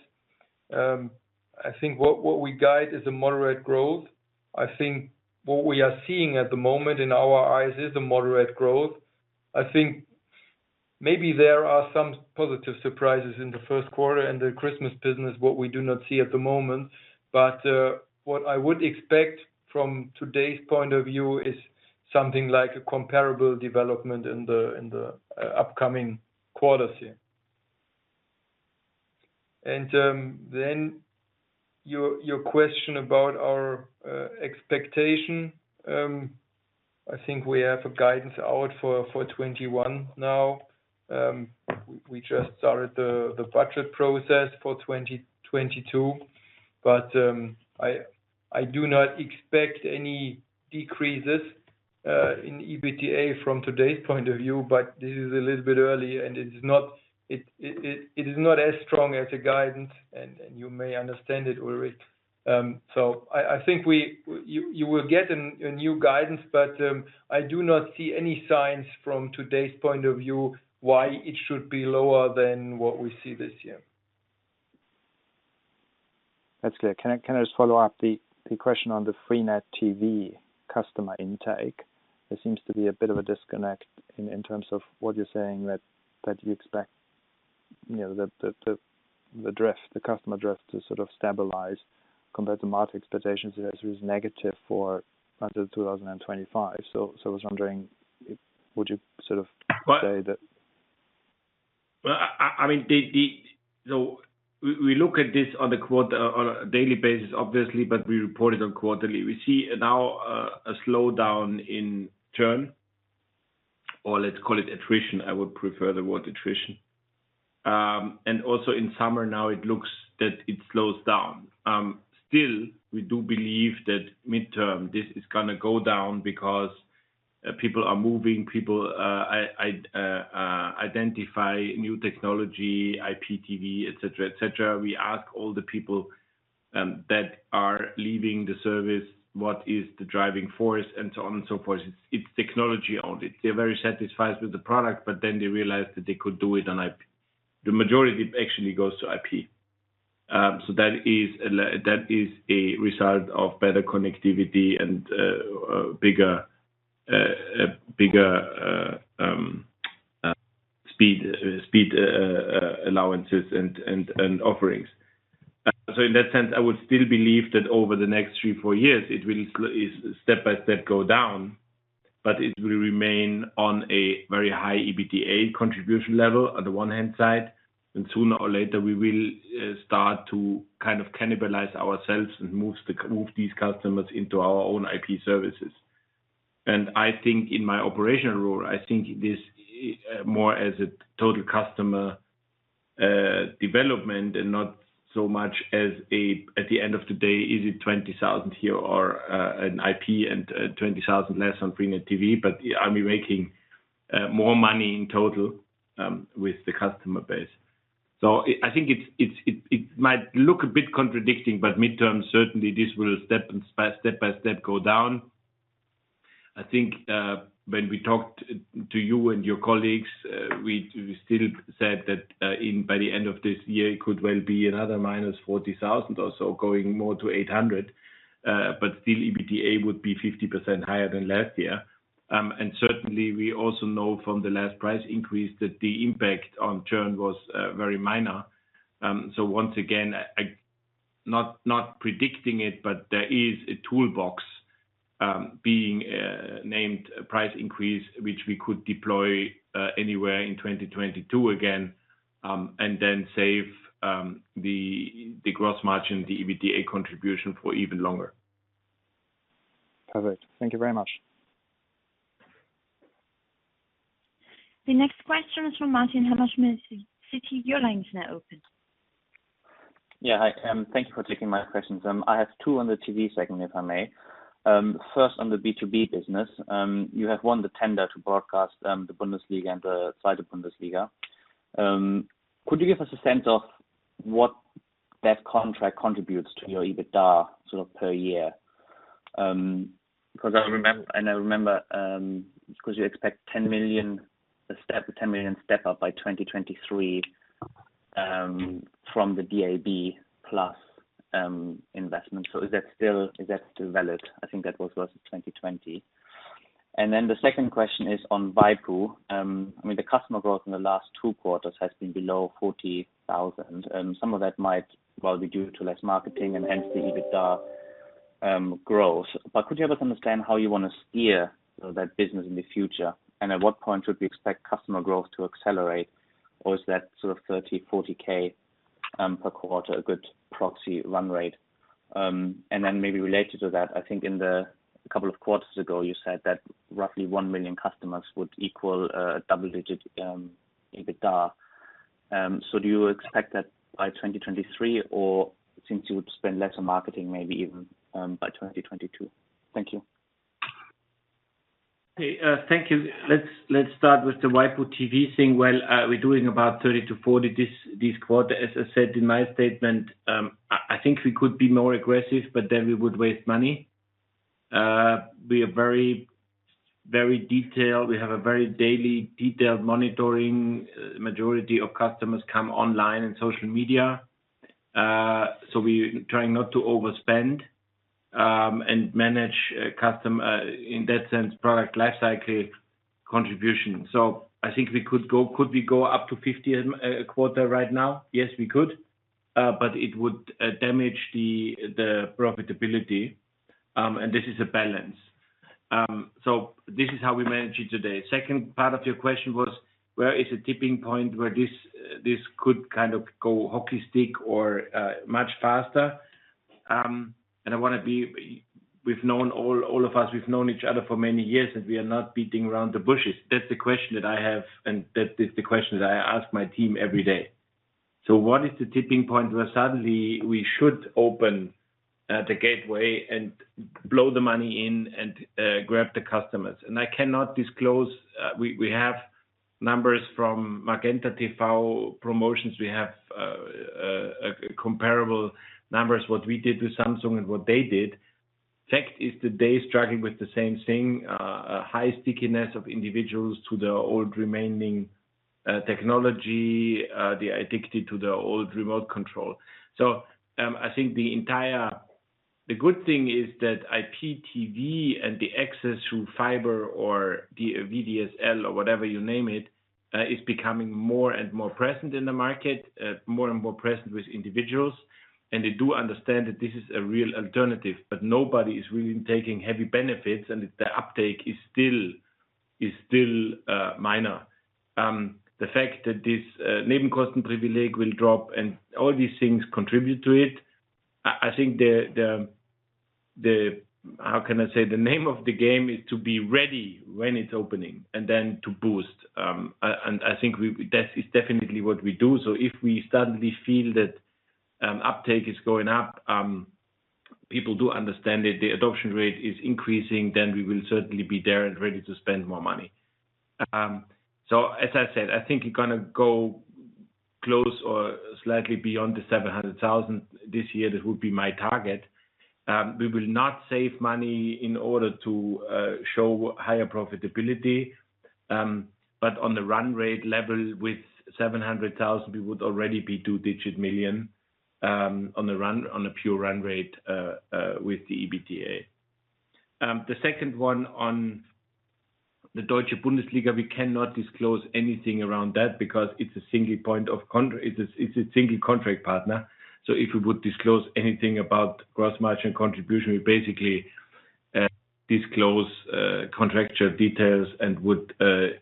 C: I think what we guide is a moderate growth. I think what we are seeing at the moment, in our eyes, is a moderate growth. I think maybe there are some positive surprises in the first quarter and the Christmas business, what we do not see at the moment. What I would expect from today's point of view is something like a comparable development in the upcoming quarters here. Your question about our expectation. I think we have a guidance out for 2021 now. We just started the budget process for 2022. I do not expect any decreases in EBITDA from today's point of view, but this is a little bit early and it is not as strong as a guidance and you may understand it, Ulrich. I think you will get a new guidance, but, I do not see any signs from today's point of view why it should be lower than what we see this year.
F: That's clear. Can I just follow up the question on the freenet TV customer intake? There seems to be a bit of a disconnect in terms of what you're saying that you expect the customer address to sort of stabilize compared to market expectations that it was negative for until 2025. I was wondering, would you sort of say that.
B: Well, we look at this on a daily basis, obviously, but we report it on quarterly. We see now a slowdown in churn, or let's call it attrition. I would prefer the word attrition. Also in summer now it looks that it slows down. Still, we do believe that midterm, this is going to go down because people are moving, people identify new technology, IPTV, et cetera. We ask all the people that are leaving the service, what is the driving force and so on and so forth. It's technology only. They're very satisfied with the product, but then they realize that they could do it on IP. The majority actually goes to IP. That is a result of better connectivity and bigger speed allowances and offerings. In that sense, I would still believe that over the next three, four years, it will step by step go down, but it will remain on a very high EBITDA contribution level on the one-hand side, and sooner or later we will start to cannibalize ourselves and move these customers into our own IP services. I think in my operational role, I think this more as a total customer development and not so much as a, at the end of the day, is it 20,000 here or an IP and 20,000 less on freenet TV, but are we making more money in total with the customer base. I think it might look a bit contradicting, but midterm certainly this will step by step go down. I think, when we talked to you and your colleagues, we still said that by the end of this year, it could well be another minus 40,000 or so going more to 800. Still EBITDA would be 50% higher than last year. Certainly we also know from the last price increase that the impact on churn was very minor. Once again, not predicting it, but there is a toolbox, being named price increase, which we could deploy anywhere in 2022 again. Save the gross margin, the EBITDA contribution for even longer.
F: Perfect. Thank you very much.
A: The next question is from Martin Hammerschmidt, Citi. Your line is now open.
G: Hi. Thank you for taking my questions. I have two on the TV segment, if I may. On the B2B business. You have won the tender to broadcast the Bundesliga and the 2. Bundesliga. Could you give us a sense of what that contract contributes to your EBITDA per year? I remember, you expect a EUR 10 million step-up by 2023 from the DAB+ investment. Is that still valid? I think that was versus 2020. The second question is on waipu. The customer growth in the last two quarters has been below 40,000, and some of that might well be due to less marketing and hence the EBITDA growth. Could you help us understand how you want to steer that business in the future? At what point should we expect customer growth to accelerate? Is that sort of 30K, 40K per quarter a good proxy run rate? Maybe related to that, I think in the couple of quarters ago, you said that roughly 1 million customers would equal a double-digit EBITDA. Do you expect that by 2023, or since you would spend less on marketing, maybe even by 2022? Thank you.
B: Okay. Thank you. Let's start with the waipu.tv thing. We're doing about 30-40 this quarter. As I said in my statement, I think we could be more aggressive, but then we would waste money. We are very detailed. We have a very daily detailed monitoring. Majority of customers come online and social media. We try not to overspend and manage customer, in that sense, product life cycle contribution. I think could we go up to 50 a quarter right now? Yes, we could. It would damage the profitability, and this is a balance. This is how we manage it today. Second part of your question was, where is the tipping point where this could go hockey stick or much faster? All of us, we've known each other for many years, and we are not beating around the bushes. That's the question that I have, and that is the question that I ask my team every day. What is the tipping point where suddenly we should open the gateway and blow the money in and grab the customers? I cannot disclose. We have numbers from MagentaTV promotions. We have comparable numbers, what we did with Samsung and what they did. Fact is today struggling with the same thing, a high stickiness of individuals to their old remaining technology, the addicted to the old remote control. I think the good thing is that IPTV and the access through fiber or VDSL or whatever you name it, is becoming more and more present in the market, more and more present with individuals. They do understand that this is a real alternative, but nobody is really taking heavy benefits, and the uptake is still minor. The fact that this Nebenkostenprivileg will drop and all these things contribute to it. I think the, how can I say? The name of the game is to be ready when it is opening and then to boost. I think that is definitely what we do. If we suddenly feel that uptake is going up, people do understand it, the adoption rate is increasing, then we will certainly be there and ready to spend more money. As I said, I think you are going to go close or slightly beyond the 700,000 this year. That would be my target. We will not save money in order to show higher profitability. On the run rate level with 700,000, we would already be double-digit million on a pure run rate with the EBITDA. The second one on the Deutsche Bundesliga, we cannot disclose anything around that because it's a single contract partner. If we would disclose anything about gross margin contribution, we basically disclose contractual details and would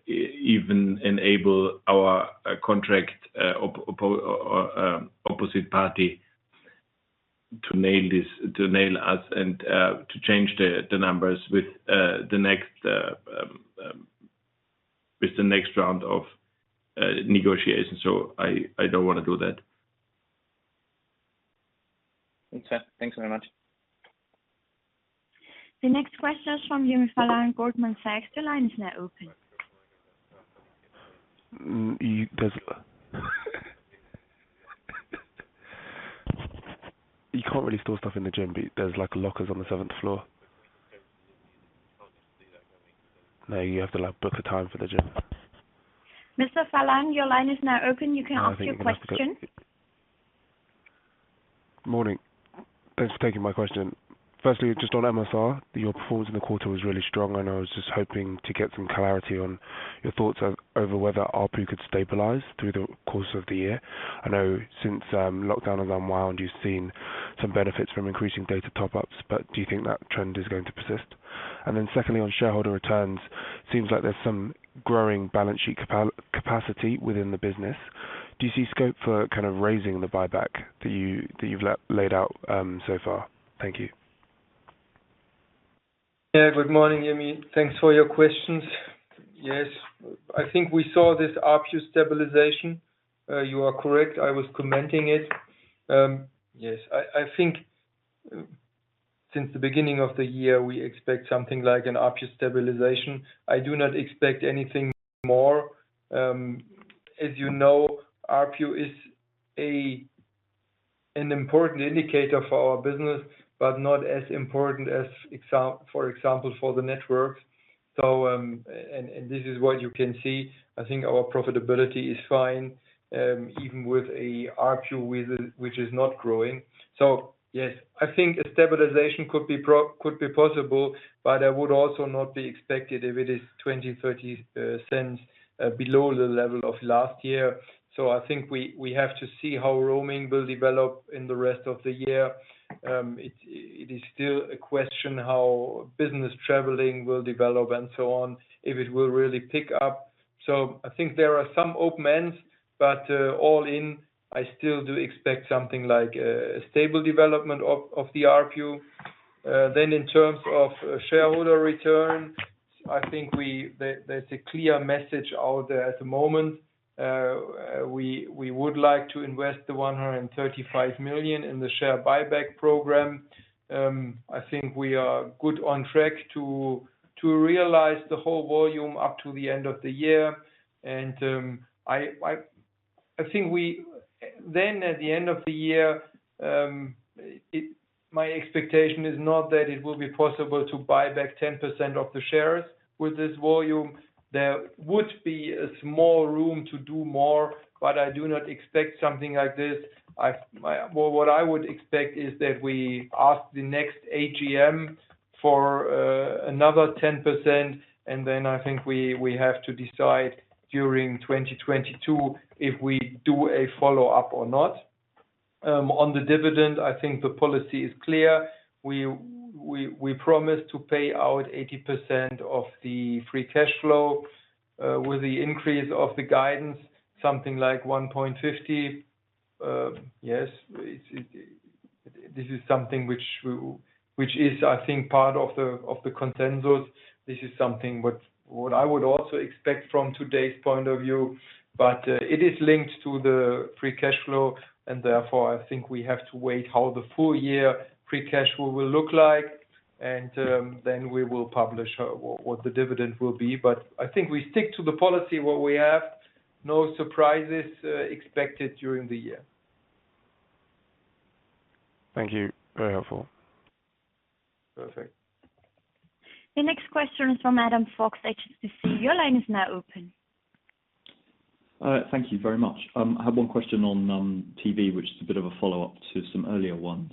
B: even enable our contract opposite party to nail us and to change the numbers with the next round of negotiations. I don't want to do that.
G: Okay. Thanks very much.
A: The next question is from Yemi Falana, Goldman Sachs. The line is now open.
H: You can't really store stuff in the gym, but there's lockers on the seventh floor. No, you have to book a time for the gym.
A: Mr. Falana, your line is now open. You can ask your question.
H: I think you'd have to. Morning. Thanks for taking my question. Just on MSR, your performance in the quarter was really strong, and I was just hoping to get some clarity on your thoughts over whether ARPU could stabilize through the course of the year. I know since lockdown has unwound, you've seen some benefits from increasing data top-ups, do you think that trend is going to persist? Secondly, on shareholder returns, seems like there's some growing balance sheet capacity within the business. Do you see scope for kind of raising the buyback that you've laid out so far? Thank you.
C: Good morning, Yemi. Thanks for your questions. Yes. I think we saw this ARPU stabilization. You are correct. I was commenting it. Yes. I think since the beginning of the year, we expect something like an ARPU stabilization. I do not expect anything more. As you know, ARPU is an important indicator for our business, but not as important as, for example, for the networks. This is what you can see. I think our profitability is fine, even with a ARPU which is not growing. Yes, I think a stabilization could be possible, but I would also not be expected if it is 0.20, 0.30 below the level of last year. I think we have to see how roaming will develop in the rest of the year. It is still a question how business traveling will develop and so on, if it will really pick up. I think there are some open ends, but all in, I still do expect something like a stable development of the ARPU. In terms of shareholder return, I think there's a clear message out there at the moment. We would like to invest the 135 million in the share buyback program. I think we are good on track to realize the whole volume up to the end of the year. I think then at the end of the year, my expectation is not that it will be possible to buy back 10% of the shares with this volume. There would be a small room to do more, but I do not expect something like this. What I would expect is that we ask the next AGM for another 10%. I think we have to decide during 2022 if we do a follow-up or not. On the dividend, I think the policy is clear. We promised to pay out 80% of the free cash flow. With the increase of the guidance, something like 1.50. Yes. This is something which is, I think, part of the consensus. This is something what I would also expect from today's point of view. It is linked to the free cash flow, and therefore, I think we have to wait how the full-year free cash flow will look like, and then we will publish what the dividend will be. I think we stick to the policy what we have. No surprises expected during the year.
H: Thank you. Very helpful.
C: Perfect.
A: The next question is from Adam Fox-Rumley, HSBC. Your line is now open.
I: Thank you very much. I have one question on TV, which is a bit of a follow-up to some earlier ones.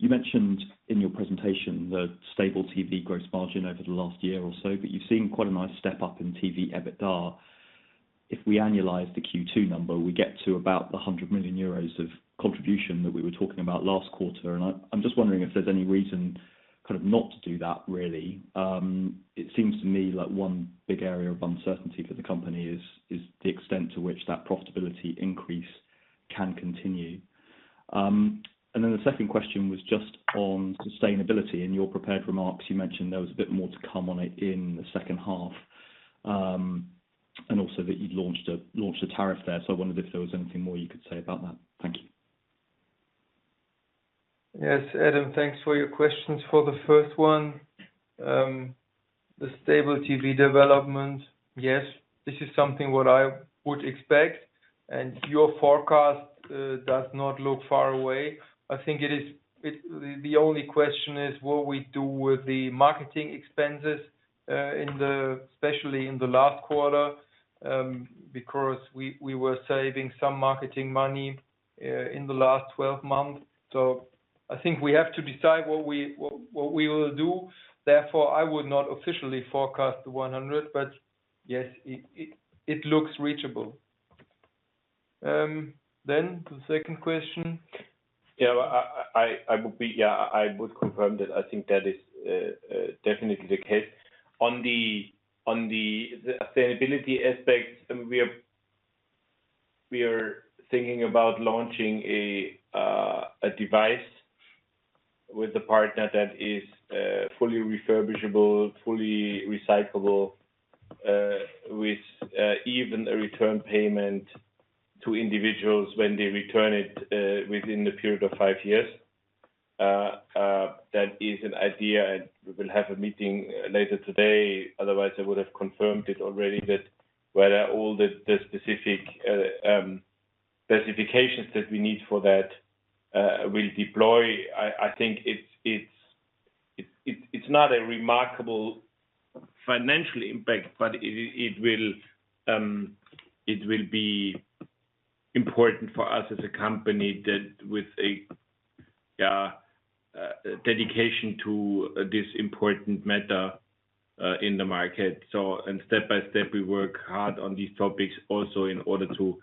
I: You mentioned in your presentation the stable TV gross margin over the last year or so, but you've seen quite a nice step up in TV EBITDA. If we annualize the Q2 number, we get to about the 100 million euros of contribution that we were talking about last quarter, and I'm just wondering if there's any reason, kind of not to do that, really. It seems to me like one big area of uncertainty for the company is the extent to which that profitability increase can continue. The second question was just on sustainability. In your prepared remarks, you mentioned there was a bit more to come on it in the second half, and also that you'd launched a tariff there. I wondered if there was anything more you could say about that. Thank you.
C: Adam, thanks for your questions. For the first one, the stable TV development. This is something what I would expect, and your forecast does not look far away. I think the only question is what we do with the marketing expenses, especially in the last quarter, because we were saving some marketing money in the last 12 months. I think we have to decide what we will do. I would not officially forecast the 100, but yes, it looks reachable. The second question. I would confirm that I think that is definitely the case. On the sustainability aspect, we are thinking about launching a device with a partner that is fully refurbishable, fully recyclable, with even a return payment to individuals when they return it within the period of five years. That is an idea, and we will have a meeting later today. Otherwise, I would have confirmed it already that whether all the specific specifications that we need for that will deploy. I think it's not a remarkable financial impact, but it will be important for us as a company that with a dedication to this important matter in the market. Step by step, we work hard on these topics also in order to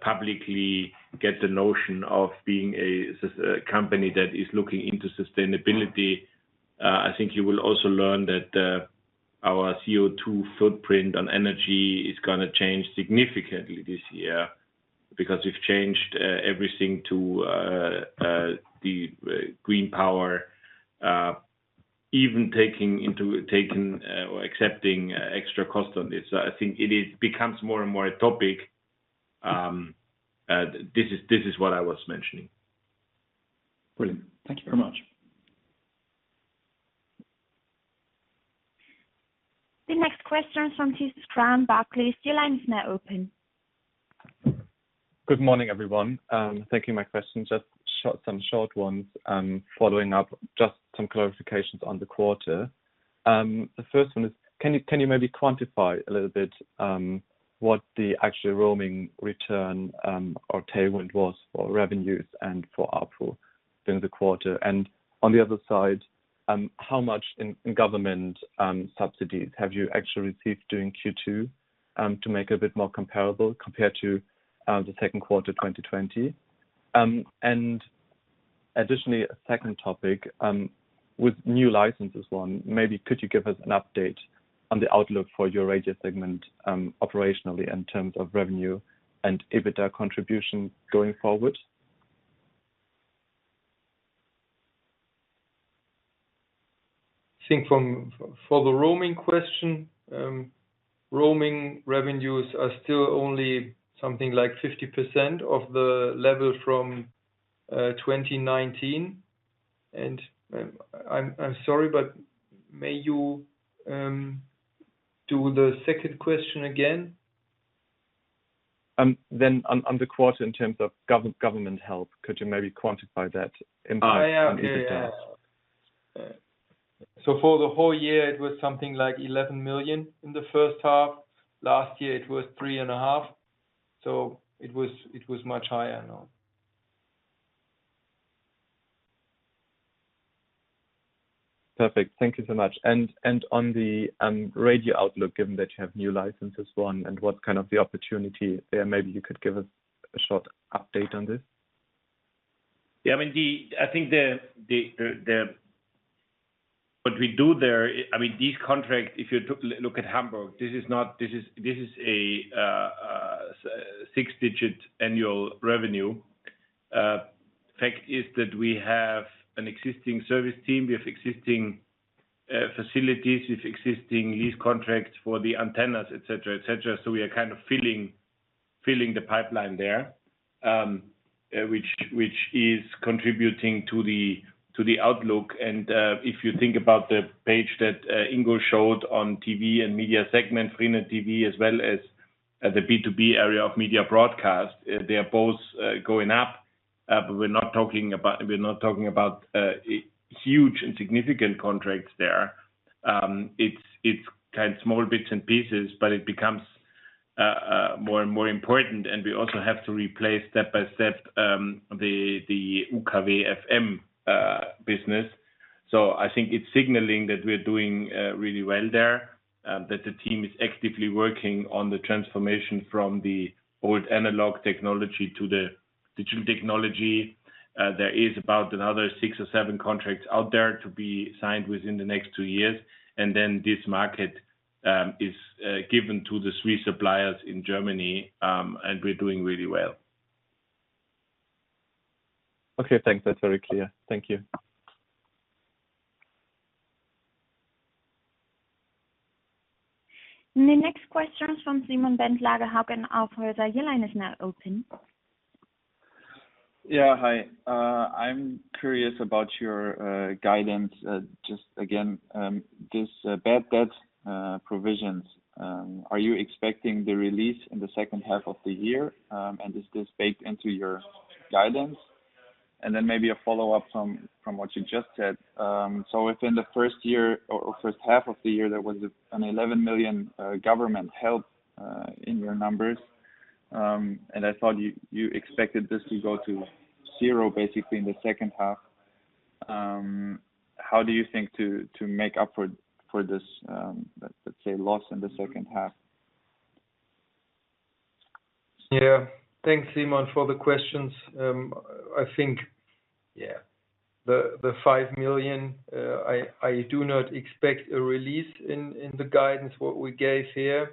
C: publicly get the notion of being a company that is looking into sustainability. I think you will also learn that our CO2 footprint on energy is going to change significantly this year because we've changed everything to the green power, even accepting extra cost on this. I think it becomes more and more a topic. This is what I was mentioning.
I: Brilliant. Thank you very much.
A: The next question is from Lynch Graham, Barclays. Your line is now open.
J: Good morning, everyone. Thank you. My questions, just some short ones following up, just some clarifications on the quarter. The first one is can you maybe quantify a little bit, what the actual roaming return, or tailwind was for revenues and for ARPU during the quarter? On the other side, how much in government subsidies have you actually received during Q2 to make a bit more comparable compared to the second quarter 2020? Additionally, a second topic, with new licenses won, maybe could you give us an update on the outlook for your radio segment, operationally, in terms of revenue and EBITDA contribution going forward?
B: I think for the roaming question, roaming revenues are still only something like 50% of the level from 2019. I'm sorry, but may you do the second question again?
J: On the quarter in terms of government help, could you maybe quantify that impact on EBITDA?
C: For the whole year it was something like 11 million in the first half. Last year it was three and a half, so it was much higher now.
J: Perfect. Thank you so much. On the radio outlook, given that you have new licenses won, and what kind of the opportunity there, maybe you could give us a short update on this?
B: Yeah, I think what we do there, these contracts, if you look at Hamburg, this is a six-digit annual revenue. Fact is that we have an existing service team, we have existing facilities, we have existing lease contracts for the antennas, et cetera. We are kind of filling the pipeline there, which is contributing to the outlook. If you think about the page that Ingo showed on TV and media segment, freenet TV, as well as the B2B area of Media Broadcast, they are both going up. We're not talking about huge and significant contracts there. It's small bits and pieces, but it becomes more and more important, and we also have to replace step-by-step, the UKW FM business. I think it's signaling that we're doing really well there. The team is actively working on the transformation from the old analog technology to the digital technology. There is about another six or seven contracts out there to be signed within the next two years. This market is given to the three suppliers in Germany, and we're doing really well.
J: Okay, thanks. That's very clear. Thank you.
A: The next question is from Simon Bentlage, Hauck & Aufhäuser. Your line is now open.
K: Yeah, hi. I am curious about your guidance, just again, these bad debt provisions. Are you expecting the release in the second half of the year? Is this baked into your guidance? Maybe a follow-up from what you just said. If in the first year or first half of the year, there was an 11 million government help, in your numbers, and I thought you expected this to go to zero, basically in the second half. How do you think to make up for this, let's say, loss in the second half?
C: Thanks, Simon, for the questions. I think the 5 million, I do not expect a release in the guidance, what we gave here.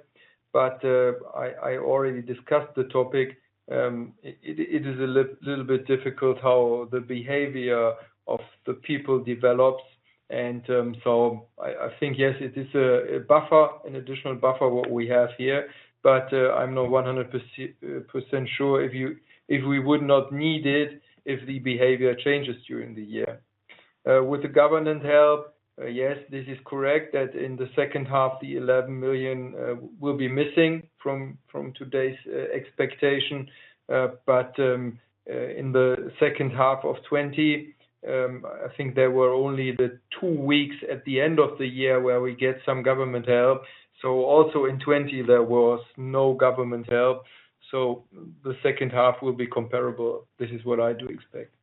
C: I already discussed the topic. It is a little bit difficult how the behavior of the people develops. I think, yes, it is a buffer, an additional buffer, what we have here. I'm not 100% sure if we would not need it if the behavior changes during the year. With the government help, yes, this is correct, that in the second half the 11 million will be missing from today's expectation. In the second half of 2020, I think there were only the two weeks at the end of the year where we get some government help. Also in 2020, there was no government help, the second half will be comparable. This is what I do expect.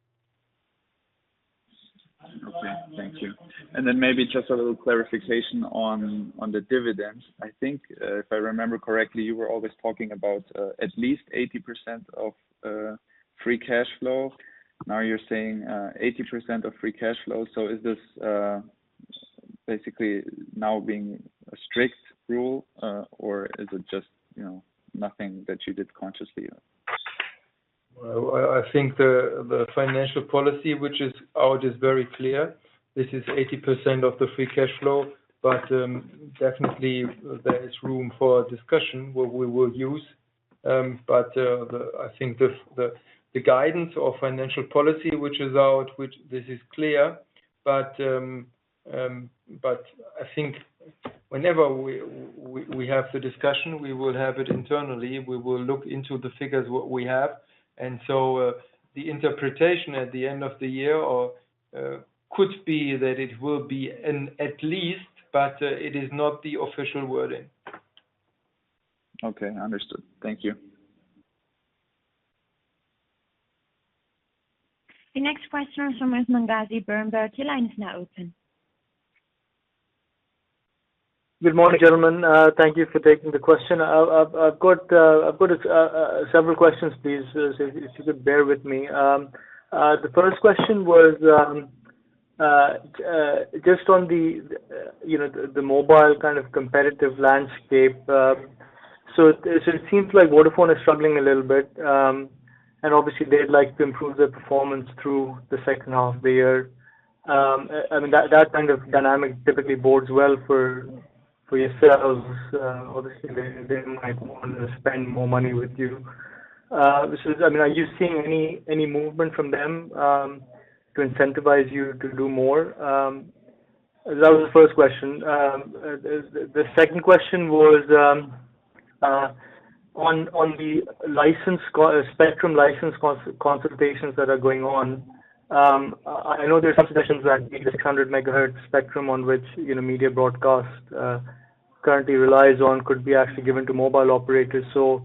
K: Okay, thank you. Then maybe just a little clarification on the dividends. I think, if I remember correctly, you were always talking about at least 80% of free cash flow. Now you're saying, 80% of free cash flow. Is this basically now being a strict rule? Is it just nothing that you did consciously?
C: Well, I think the financial policy, which is ours, is very clear. This is 80% of the free cash flow. Definitely there is room for discussion. I think the guidance of financial policy, which is out, this is clear. I think whenever we have the discussion, we will have it internally. We will look into the figures what we have. The interpretation at the end of the year could be that it will be an at least, but it is not the official wording.
K: Okay, understood. Thank you.
A: The next question is from Usman Ghazi, Berenberg. Your line is now open.
L: Good morning, gentlemen. Thank you for taking the question. I've got several questions, please, so if you could bear with me. The first question was, just on the mobile kind of competitive landscape. It seems like Vodafone is struggling a little bit. Obviously, they'd like to improve their performance through the second half of the year. I mean, that kind of dynamic typically bodes well for yourselves. Obviously, they might want to spend more money with you. Are you seeing any movement from them, to incentivize you to do more? That was the first question. The second question was, on the spectrum license consultations that are going on. I know there are some suggestions that the 600 MHz spectrum on which Media Broadcast currently relies on could be actually given to mobile operators to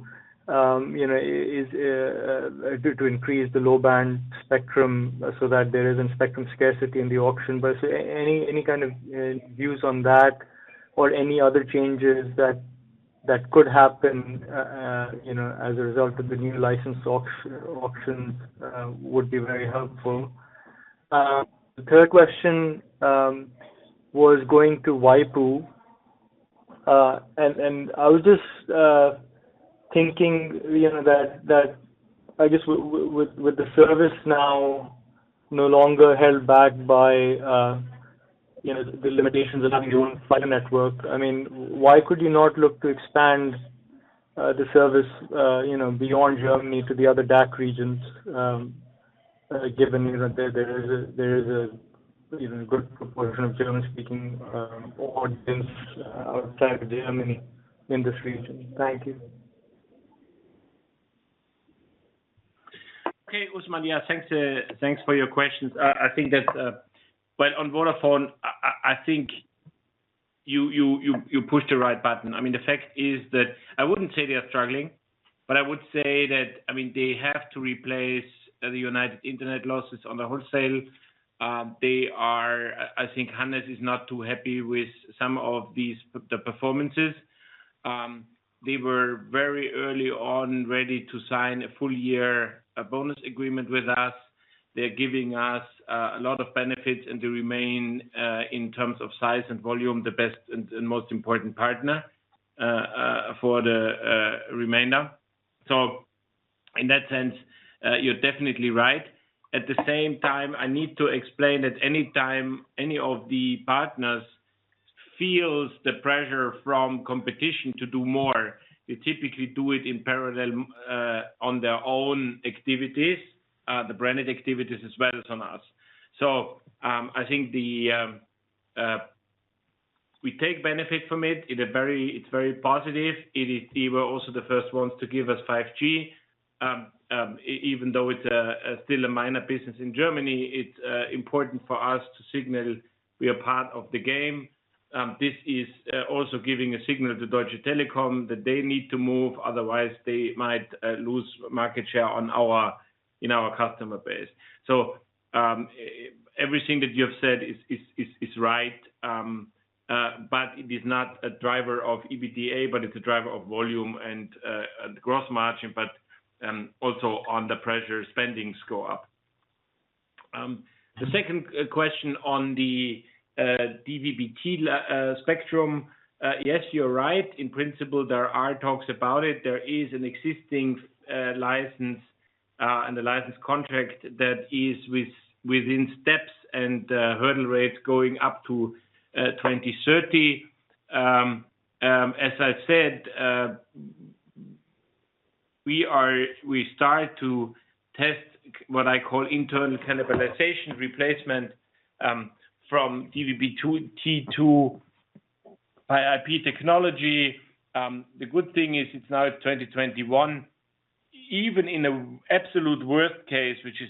L: increase the low-band spectrum so that there isn't spectrum scarcity in the auction. Any kind of views on that or any other changes that could happen as a result of the new license auctions would be very helpful. The third question was going to waipu. I was just thinking that, I guess with the service now no longer held back by the limitations of having your own fiber network, I mean, why could you not look to expand the service beyond Germany to the other DACH regions, given that there is a good proportion of German-speaking audience outside of Germany in this region? Thank you.
B: Okay. Usman, yeah, thanks for your questions. Well, on Vodafone, I think you pushed the right button. I mean, the fact is that I wouldn't say they are struggling, but I would say that they have to replace the United Internet losses on the wholesale. I think Hannes is not too happy with some of the performances. They were very early on ready to sign a full-year bonus agreement with us. They're giving us a lot of benefits, and they remain, in terms of size and volume, the best and most important partner for the remainder. In that sense, you're definitely right. At the same time, I need to explain that any time any of the partners feels the pressure from competition to do more, they typically do it in parallel on their own activities, the branded activities, as well as on us. I think we take benefit from it. It is very positive. They were also the first ones to give us 5G. Even though it is still a minor business in Germany, it is important for us to signal we are part of the game. This is also giving a signal to Deutsche Telekom that they need to move, otherwise they might lose market share in our customer base. Everything that you have said is right. It is not a driver of EBITDA, but it is a driver of volume and gross margin, but also on the pressure spendings go up. The second question on the DVB-T spectrum. You are right. In principle, there are talks about it. There is an existing license and a license contract that is within steps and hurdle rates going up to 2030. As I said, we start to test what I call internal cannibalization replacement, from DVB-T2 by IP technology. The good thing is it's now 2021. Even in the absolute worst case, which is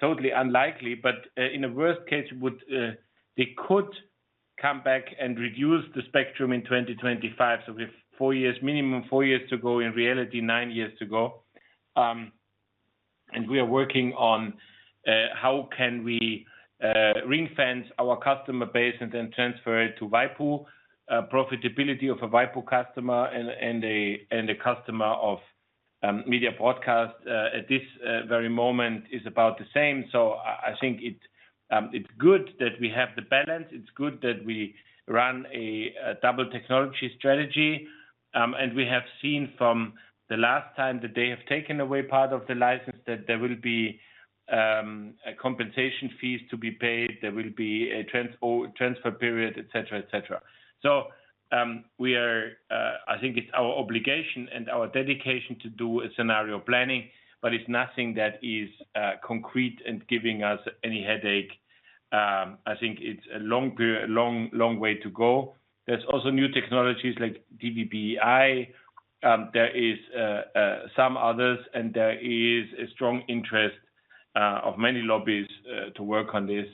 B: totally unlikely, but in a worst case, they could come back and reduce the spectrum in 2025. We have minimum four years to go. In reality, nine years to go. We are working on how can we ring-fence our customer base and then transfer it to waipu. Profitability of a waipu customer and a customer of Media Broadcast at this very moment is about the same. I think It's good that we have the balance. It's good that we run a double technology strategy. We have seen from the last time that they have taken away part of the license, that there will be compensation fees to be paid, there will be a transfer period, et cetera. I think it's our obligation and our dedication to do a scenario planning, but it's nothing that is concrete and giving us any headache. I think it's a long way to go. There's also new technologies like DVB-I. There is some others, and there is a strong interest of many lobbies to work on this.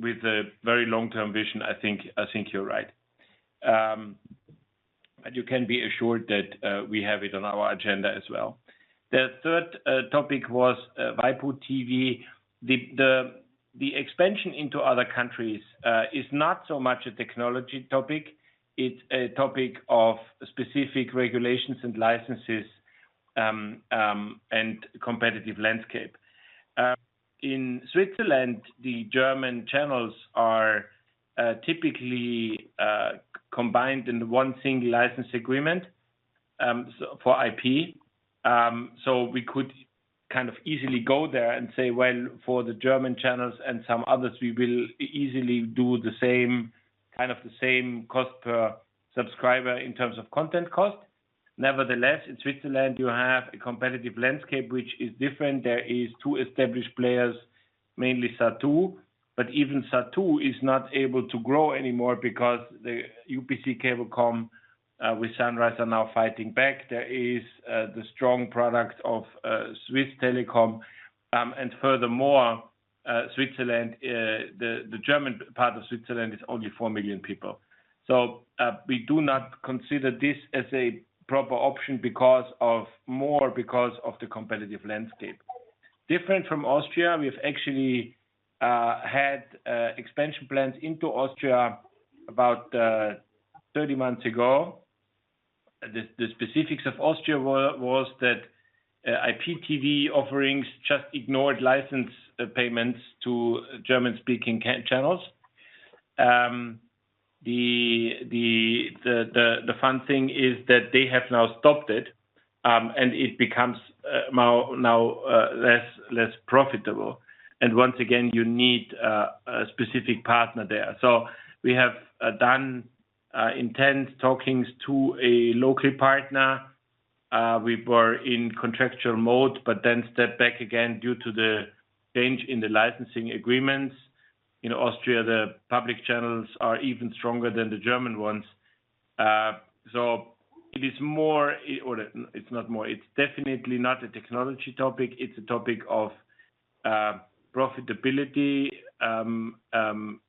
B: With a very long-term vision, I think you're right. You can be assured that we have it on our agenda as well. The third topic was waipu.tv. The expansion into other countries is not so much a technology topic. It's a topic of specific regulations and licenses, and competitive landscape. In Switzerland, the German channels are typically combined in one single license agreement for IP. We could easily go there and say, well, for the German channels and some others, we will easily do the same cost per subscriber in terms of content cost. Nevertheless, in Switzerland you have a competitive landscape which is different. There is two established players, mainly Zattoo. Even Zattoo is not able to grow anymore because the UPC Cablecom with Sunrise are now fighting back. There is the strong product of Swisscom. Furthermore, the German part of Switzerland is only 4 million people. We do not consider this as a proper option more because of the competitive landscape. Different from Austria. We've actually had expansion plans into Austria about 30 months ago. The specifics of Austria was that IPTV offerings just ignored license payments to German-speaking channels. The fun thing is that they have now stopped it, and it becomes now less profitable. Once again, you need a specific partner there. We have done intense talkings to a local partner. We were in contractual mode, but then stepped back again due to the change in the licensing agreements. In Austria, the public channels are even stronger than the German ones. It's definitely not a technology topic. It's a topic of profitability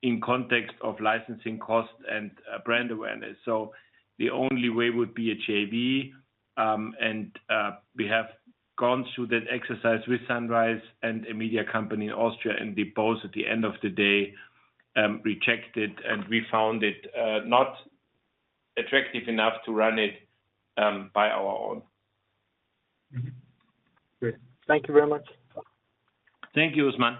B: in context of licensing cost and brand awareness. The only way would be a JV, and we have gone through that exercise with Sunrise and a media company in Austria, and they both, at the end of the day, rejected, and we found it not attractive enough to run it by our own.
L: Great. Thank you very much.
B: Thank you, Usman.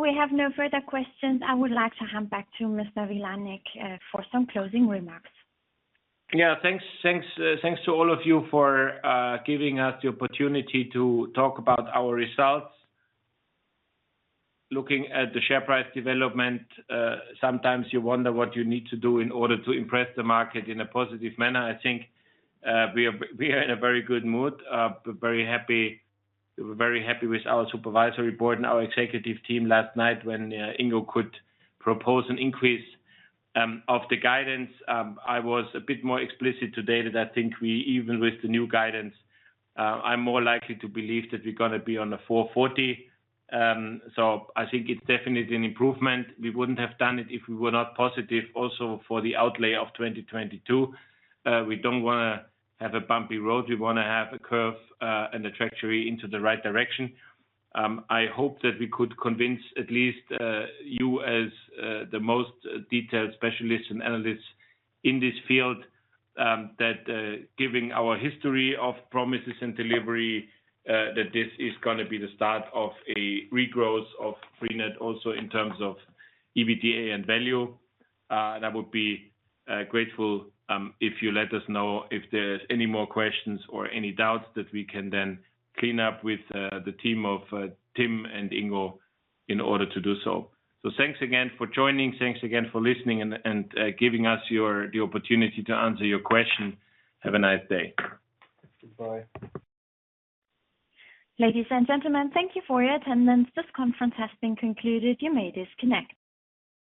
A: We have no further questions. I would like to hand back to Mr. Vilanek for some closing remarks.
B: Yeah, thanks to all of you for giving us the opportunity to talk about our results. Looking at the share price development, sometimes you wonder what you need to do in order to impress the market in a positive manner. I think we are in a very good mood. We're very happy with our Supervisory Board and our Executive Team last night when Ingo could propose an increase of the guidance. I was a bit more explicit today that I think even with the new guidance, I'm more likely to believe that we're going to be on the 440. I think it's definitely an improvement. We wouldn't have done it if we were not positive also for the outlay of 2022. We don't want to have a bumpy road. We want to have a curve and a trajectory into the right direction. I hope that we could convince at least you as the most detailed specialists and analysts in this field, that given our history of promises and delivery, that this is going to be the start of a regrowth of freenet also in terms of EBITDA and value. I would be grateful if you let us know if there is any more questions or any doubts that we can then clean up with the team of Tim and Ingo in order to do so. Thanks again for joining. Thanks again for listening and giving us the opportunity to answer your question. Have a nice day. Goodbye.
A: Ladies and gentlemen, thank you for your attendance. This conference has been concluded. You may disconnect.